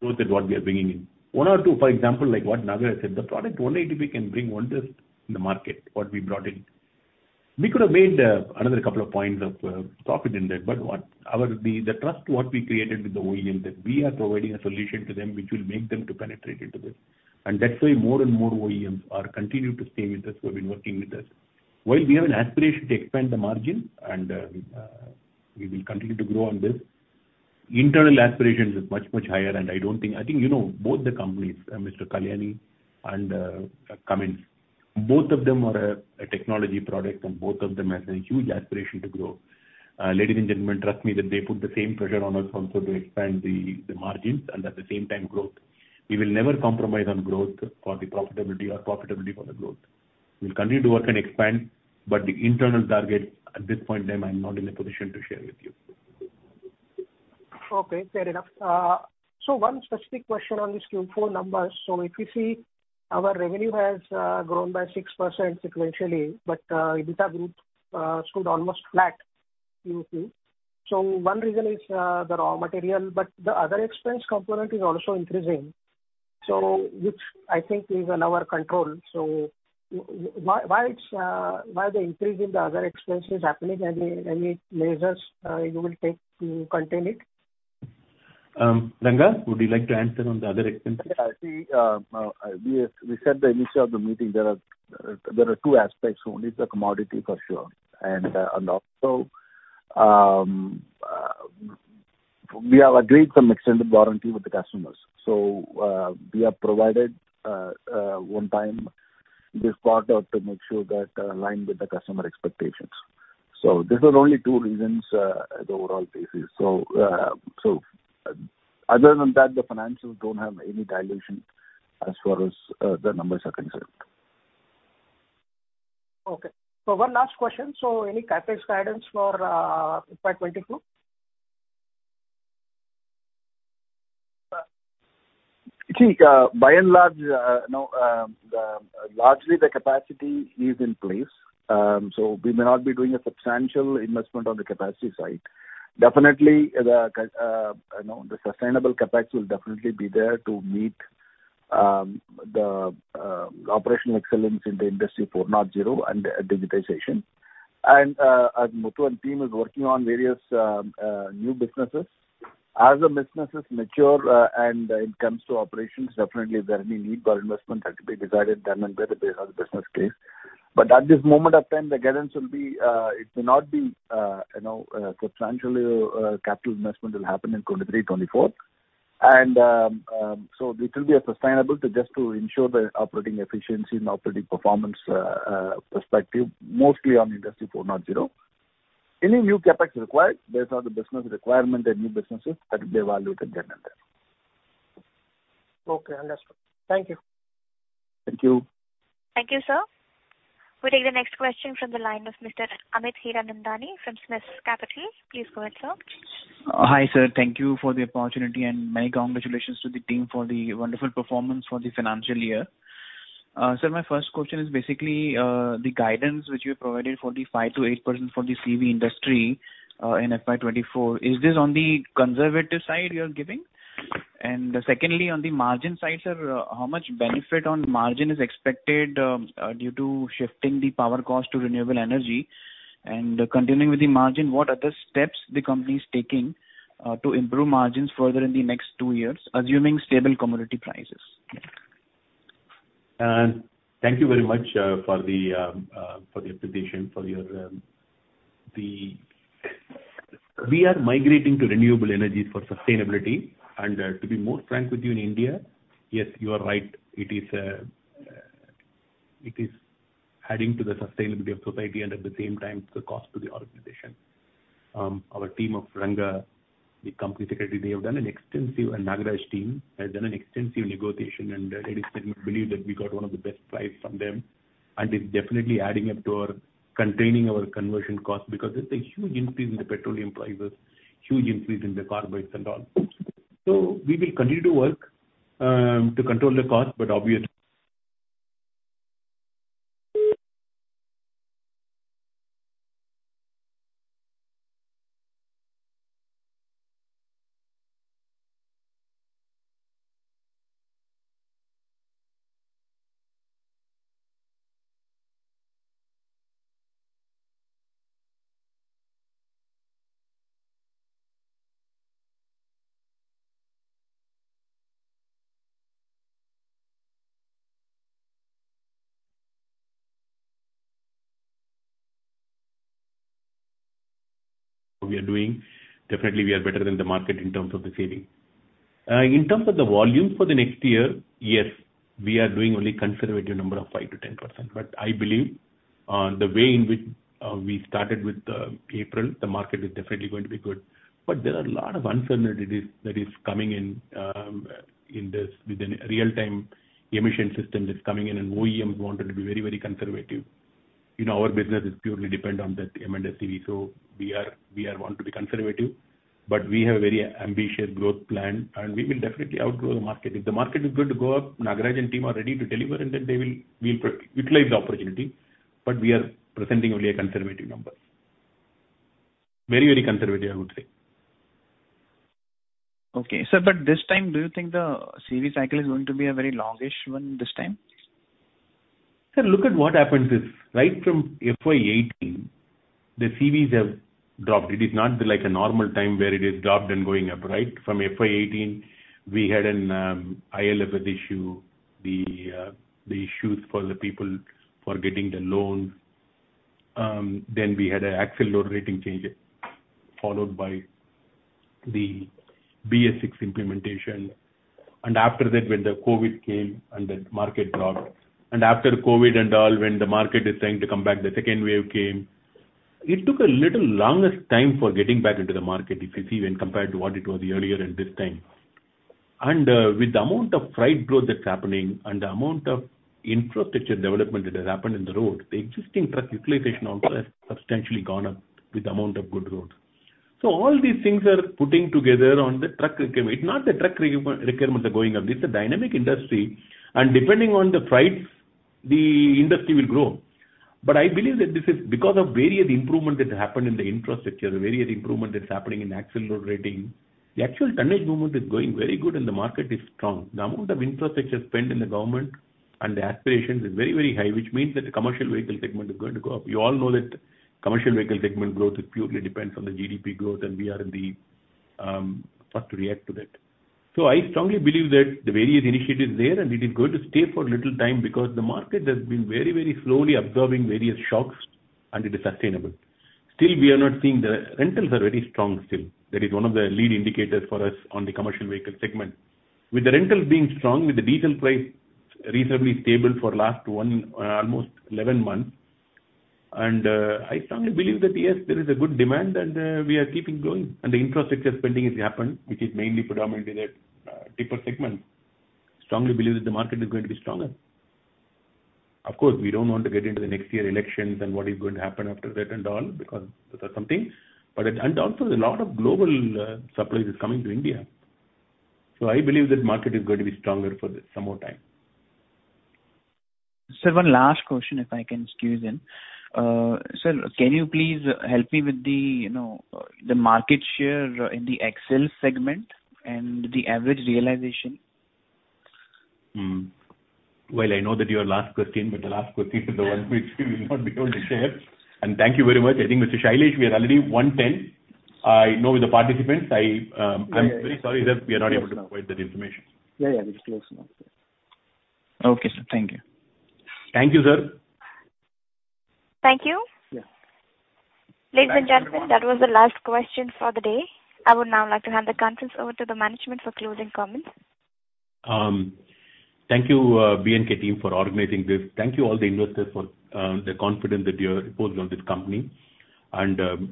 what we are bringing in. One or two, for example, like what Nagaraja said, the product 185 can bring wonders in the market, what we brought in. We could have made another couple of points of profit in that, but the trust we created with the OEM, that we are providing a solution to them, which will make them to penetrate into this. And that's why more and more OEMs are continuing to stay with us, who have been working with us. While we have an aspiration to expand the margin and we will continue to grow on this, internal aspirations is much, much higher, and I don't think... I think, you know, both the companies, Mr. Kalyani and Cummins, both of them are a technology product, and both of them has a huge aspiration to grow. Ladies and gentlemen, trust me, that they put the same pressure on us also to expand the margins and at the same time, growth. We will never compromise on growth for the profitability or profitability for the growth. We'll continue to work and expand, but the internal target, at this point in time, I'm not in a position to share with you. Okay, fair enough. So one specific question on this Q4 numbers. So if you see, our revenue has grown by 6% sequentially, but EBITDA grew stood almost flat to Q2. So one reason is the raw material, but the other expense component is also increasing. So, which I think is in our control. So why, why it's why the increase in the other expense is happening? Any measures you will take to contain it? Ranga, would you like to answer on the other expense? Yeah, I see, we said at the initial of the meeting, there are two aspects: one is the commodity for sure, and also, we have agreed some extended warranty with the customers. So, we have provided one time this quarter to make sure that align with the customer expectations. So these are only two reasons at the overall basis. So, other than that, the financials don't have any dilution as far as the numbers are concerned. Okay. So one last question: so any CapEx guidance for FY 2022? See, by and large, you know, largely the capacity is in place. So we may not be doing a substantial investment on the capacity side. Definitely, you know, the sustainable CapEx will definitely be there to meet operational excellence in the Industry 4.0 and digitization. As Muthu and team is working on various new businesses, as the businesses mature, and it comes to operations, definitely if there are any need for investment, that will be decided then and there based on the business case. But at this moment of time, the guidance will be, it may not be, you know, substantially, capital investment will happen in 2023, 2024. So it will be a sustainable to just to ensure the operating efficiency and operating performance, perspective, mostly on Industry 4.0. Any new CapEx required based on the business requirement and new businesses, that will be evaluated then and there. Okay, understood. Thank you. Thank you. Thank you, sir. We'll take the next question from the line of Mr. Amit Hiranandani from SMIFS Limited. Please go ahead, sir. Hi, sir. Thank you for the opportunity, and many congratulations to the team for the wonderful performance for the financial year. Sir, my first question is basically, the guidance which you provided for the 5%-8% for the CV industry, in FY 2024. Is this on the conservative side you are giving? And secondly, on the margin side, sir, how much benefit on margin is expected, due to shifting the power cost to renewable energy? And continuing with the margin, what are the steps the company is taking, to improve margins further in the next two years, assuming stable commodity prices? Thank you very much for the appreciation for your the... We are migrating to renewable energies for sustainability, and to be more frank with you, in India, yes, you are right. It is adding to the sustainability of society, and at the same time, the cost to the organization. Our team of Ranga, the company secretary, they have done an extensive, and Nagaraja's team has done an extensive negotiation, and I believe that we got one of the best price from them. And it's definitely adding up to our containing our conversion cost, because there's a huge increase in the petroleum prices, huge increase in the corporates and all. So we will continue to work to control the cost, but obviously we are doing. Definitely, we are better than the market in terms of the CV. In terms of the volume for the next year, yes, we are doing only conservative number of 5%-10%, but I believe, the way in which we started with April, the market is definitely going to be good. But there are a lot of uncertainties that is coming in, within real-time emission system that's coming in, and OEMs wanted to be very, very conservative. You know, our business is purely depend on that EBIDTA, so we want to be conservative, but we have a very ambitious growth plan, and we will definitely outgrow the market. If the market is going to go up, Nagaraja and team are ready to deliver, and then we'll utilize the opportunity, but we are presenting only a conservative number. Very, very conservative, I would say. Okay, sir, but this time, do you think the CV cycle is going to be a very longish one this time? Sir, look at what happened this. Right from FY 2018, the CVs have dropped. It is not like a normal time where it is dropped and going up, right? From FY 2018, we had an IL&FS issue, the issues for the people for getting the loans. Then we had an axle load rating change, followed by the BS-VI implementation, and after that, when the COVID came and the market dropped. After COVID and all, when the market is trying to come back, the second wave came. It took a little longest time for getting back into the market, if you see, when compared to what it was earlier and this time. And, with the amount of freight growth that's happening and the amount of infrastructure development that has happened in the road, the existing truck utilization also has substantially gone up with the amount of good road. So all these things are putting together on the truck requirement, not the truck requirement are going up. This is a dynamic industry, and depending on the price, the industry will grow. But I believe that this is because of various improvement that happened in the infrastructure, the various improvement that's happening in axle load rating. The actual tonnage movement is going very good and the market is strong. The amount of infrastructure spent in the government and the aspirations is very, very high, which means that the commercial vehicle segment is going to go up. You all know that commercial vehicle segment growth is purely depends on the GDP growth, and we are the first to react to that. So I strongly believe that the various initiatives there, and it is going to stay for a little time because the market has been very, very slowly absorbing various shocks and it is sustainable. Still, we are not seeing the rentals are very strong still. That is one of the lead indicators for us on the commercial vehicle segment. With the rentals being strong, with the diesel price reasonably stable for last one almost 11 months, and I strongly believe that, yes, there is a good demand and we are keeping going. And the infrastructure spending has happened, which is mainly predominantly that tipper segment. Strongly believe that the market is going to be stronger. Of course, we don't want to get into the next year elections and what is going to happen after that and all, because those are some things. But, and also a lot of global, supplies is coming to India. So I believe that market is going to be stronger for some more time. Sir, one last question, if I can squeeze in. Sir, can you please help me with the, you know, the market share in the axle segment and the average realization? Hmm. Well, I know that your last question, but the last question is the one which we will not be able to share. Thank you very much. I think, Mr. Sailesh, we are already 1:10. I know with the participants, I, I'm very sorry that we are not able to provide that information. Yeah, yeah, it's close enough. Okay, sir. Thank you. Thank you, sir. Thank you. Yeah. Ladies and gentlemen, that was the last question for the day. I would now like to hand the conference over to the management for closing comments. Thank you, B&K team, for organizing this. Thank you all the investors for the confidence that you have reposed on this company.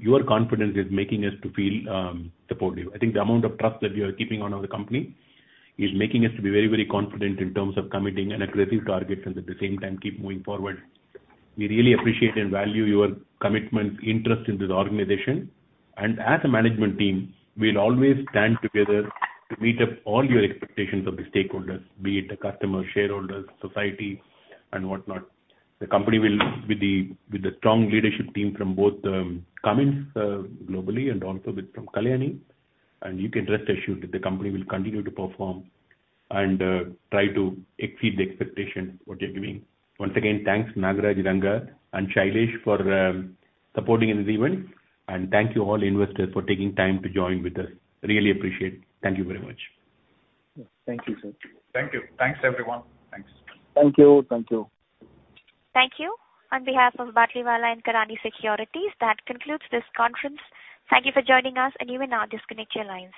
Your confidence is making us to feel supportive. I think the amount of trust that you are keeping on our company is making us to be very, very confident in terms of committing an aggressive target and at the same time keep moving forward. We really appreciate and value your commitment, interest in this organization. As a management team, we'll always stand together to meet up all your expectations of the stakeholders, be it the customers, shareholders, society, and whatnot. The company will, with the strong leadership team from both, Cummins, globally and also with from Kalyani, and you can rest assured that the company will continue to perform and, try to exceed the expectations what you're giving. Once again, thanks, Nagaraj, Ranga, and Sailesh for, supporting in this event. And thank you all investors for taking time to join with us. Really appreciate. Thank you very much. Thank you, sir. Thank you. Thanks, everyone. Thanks. Thank you. Thank you. Thank you. On behalf of Batlivala & Karani Securities, that concludes this conference. Thank you for joining us, and you may now disconnect your lines.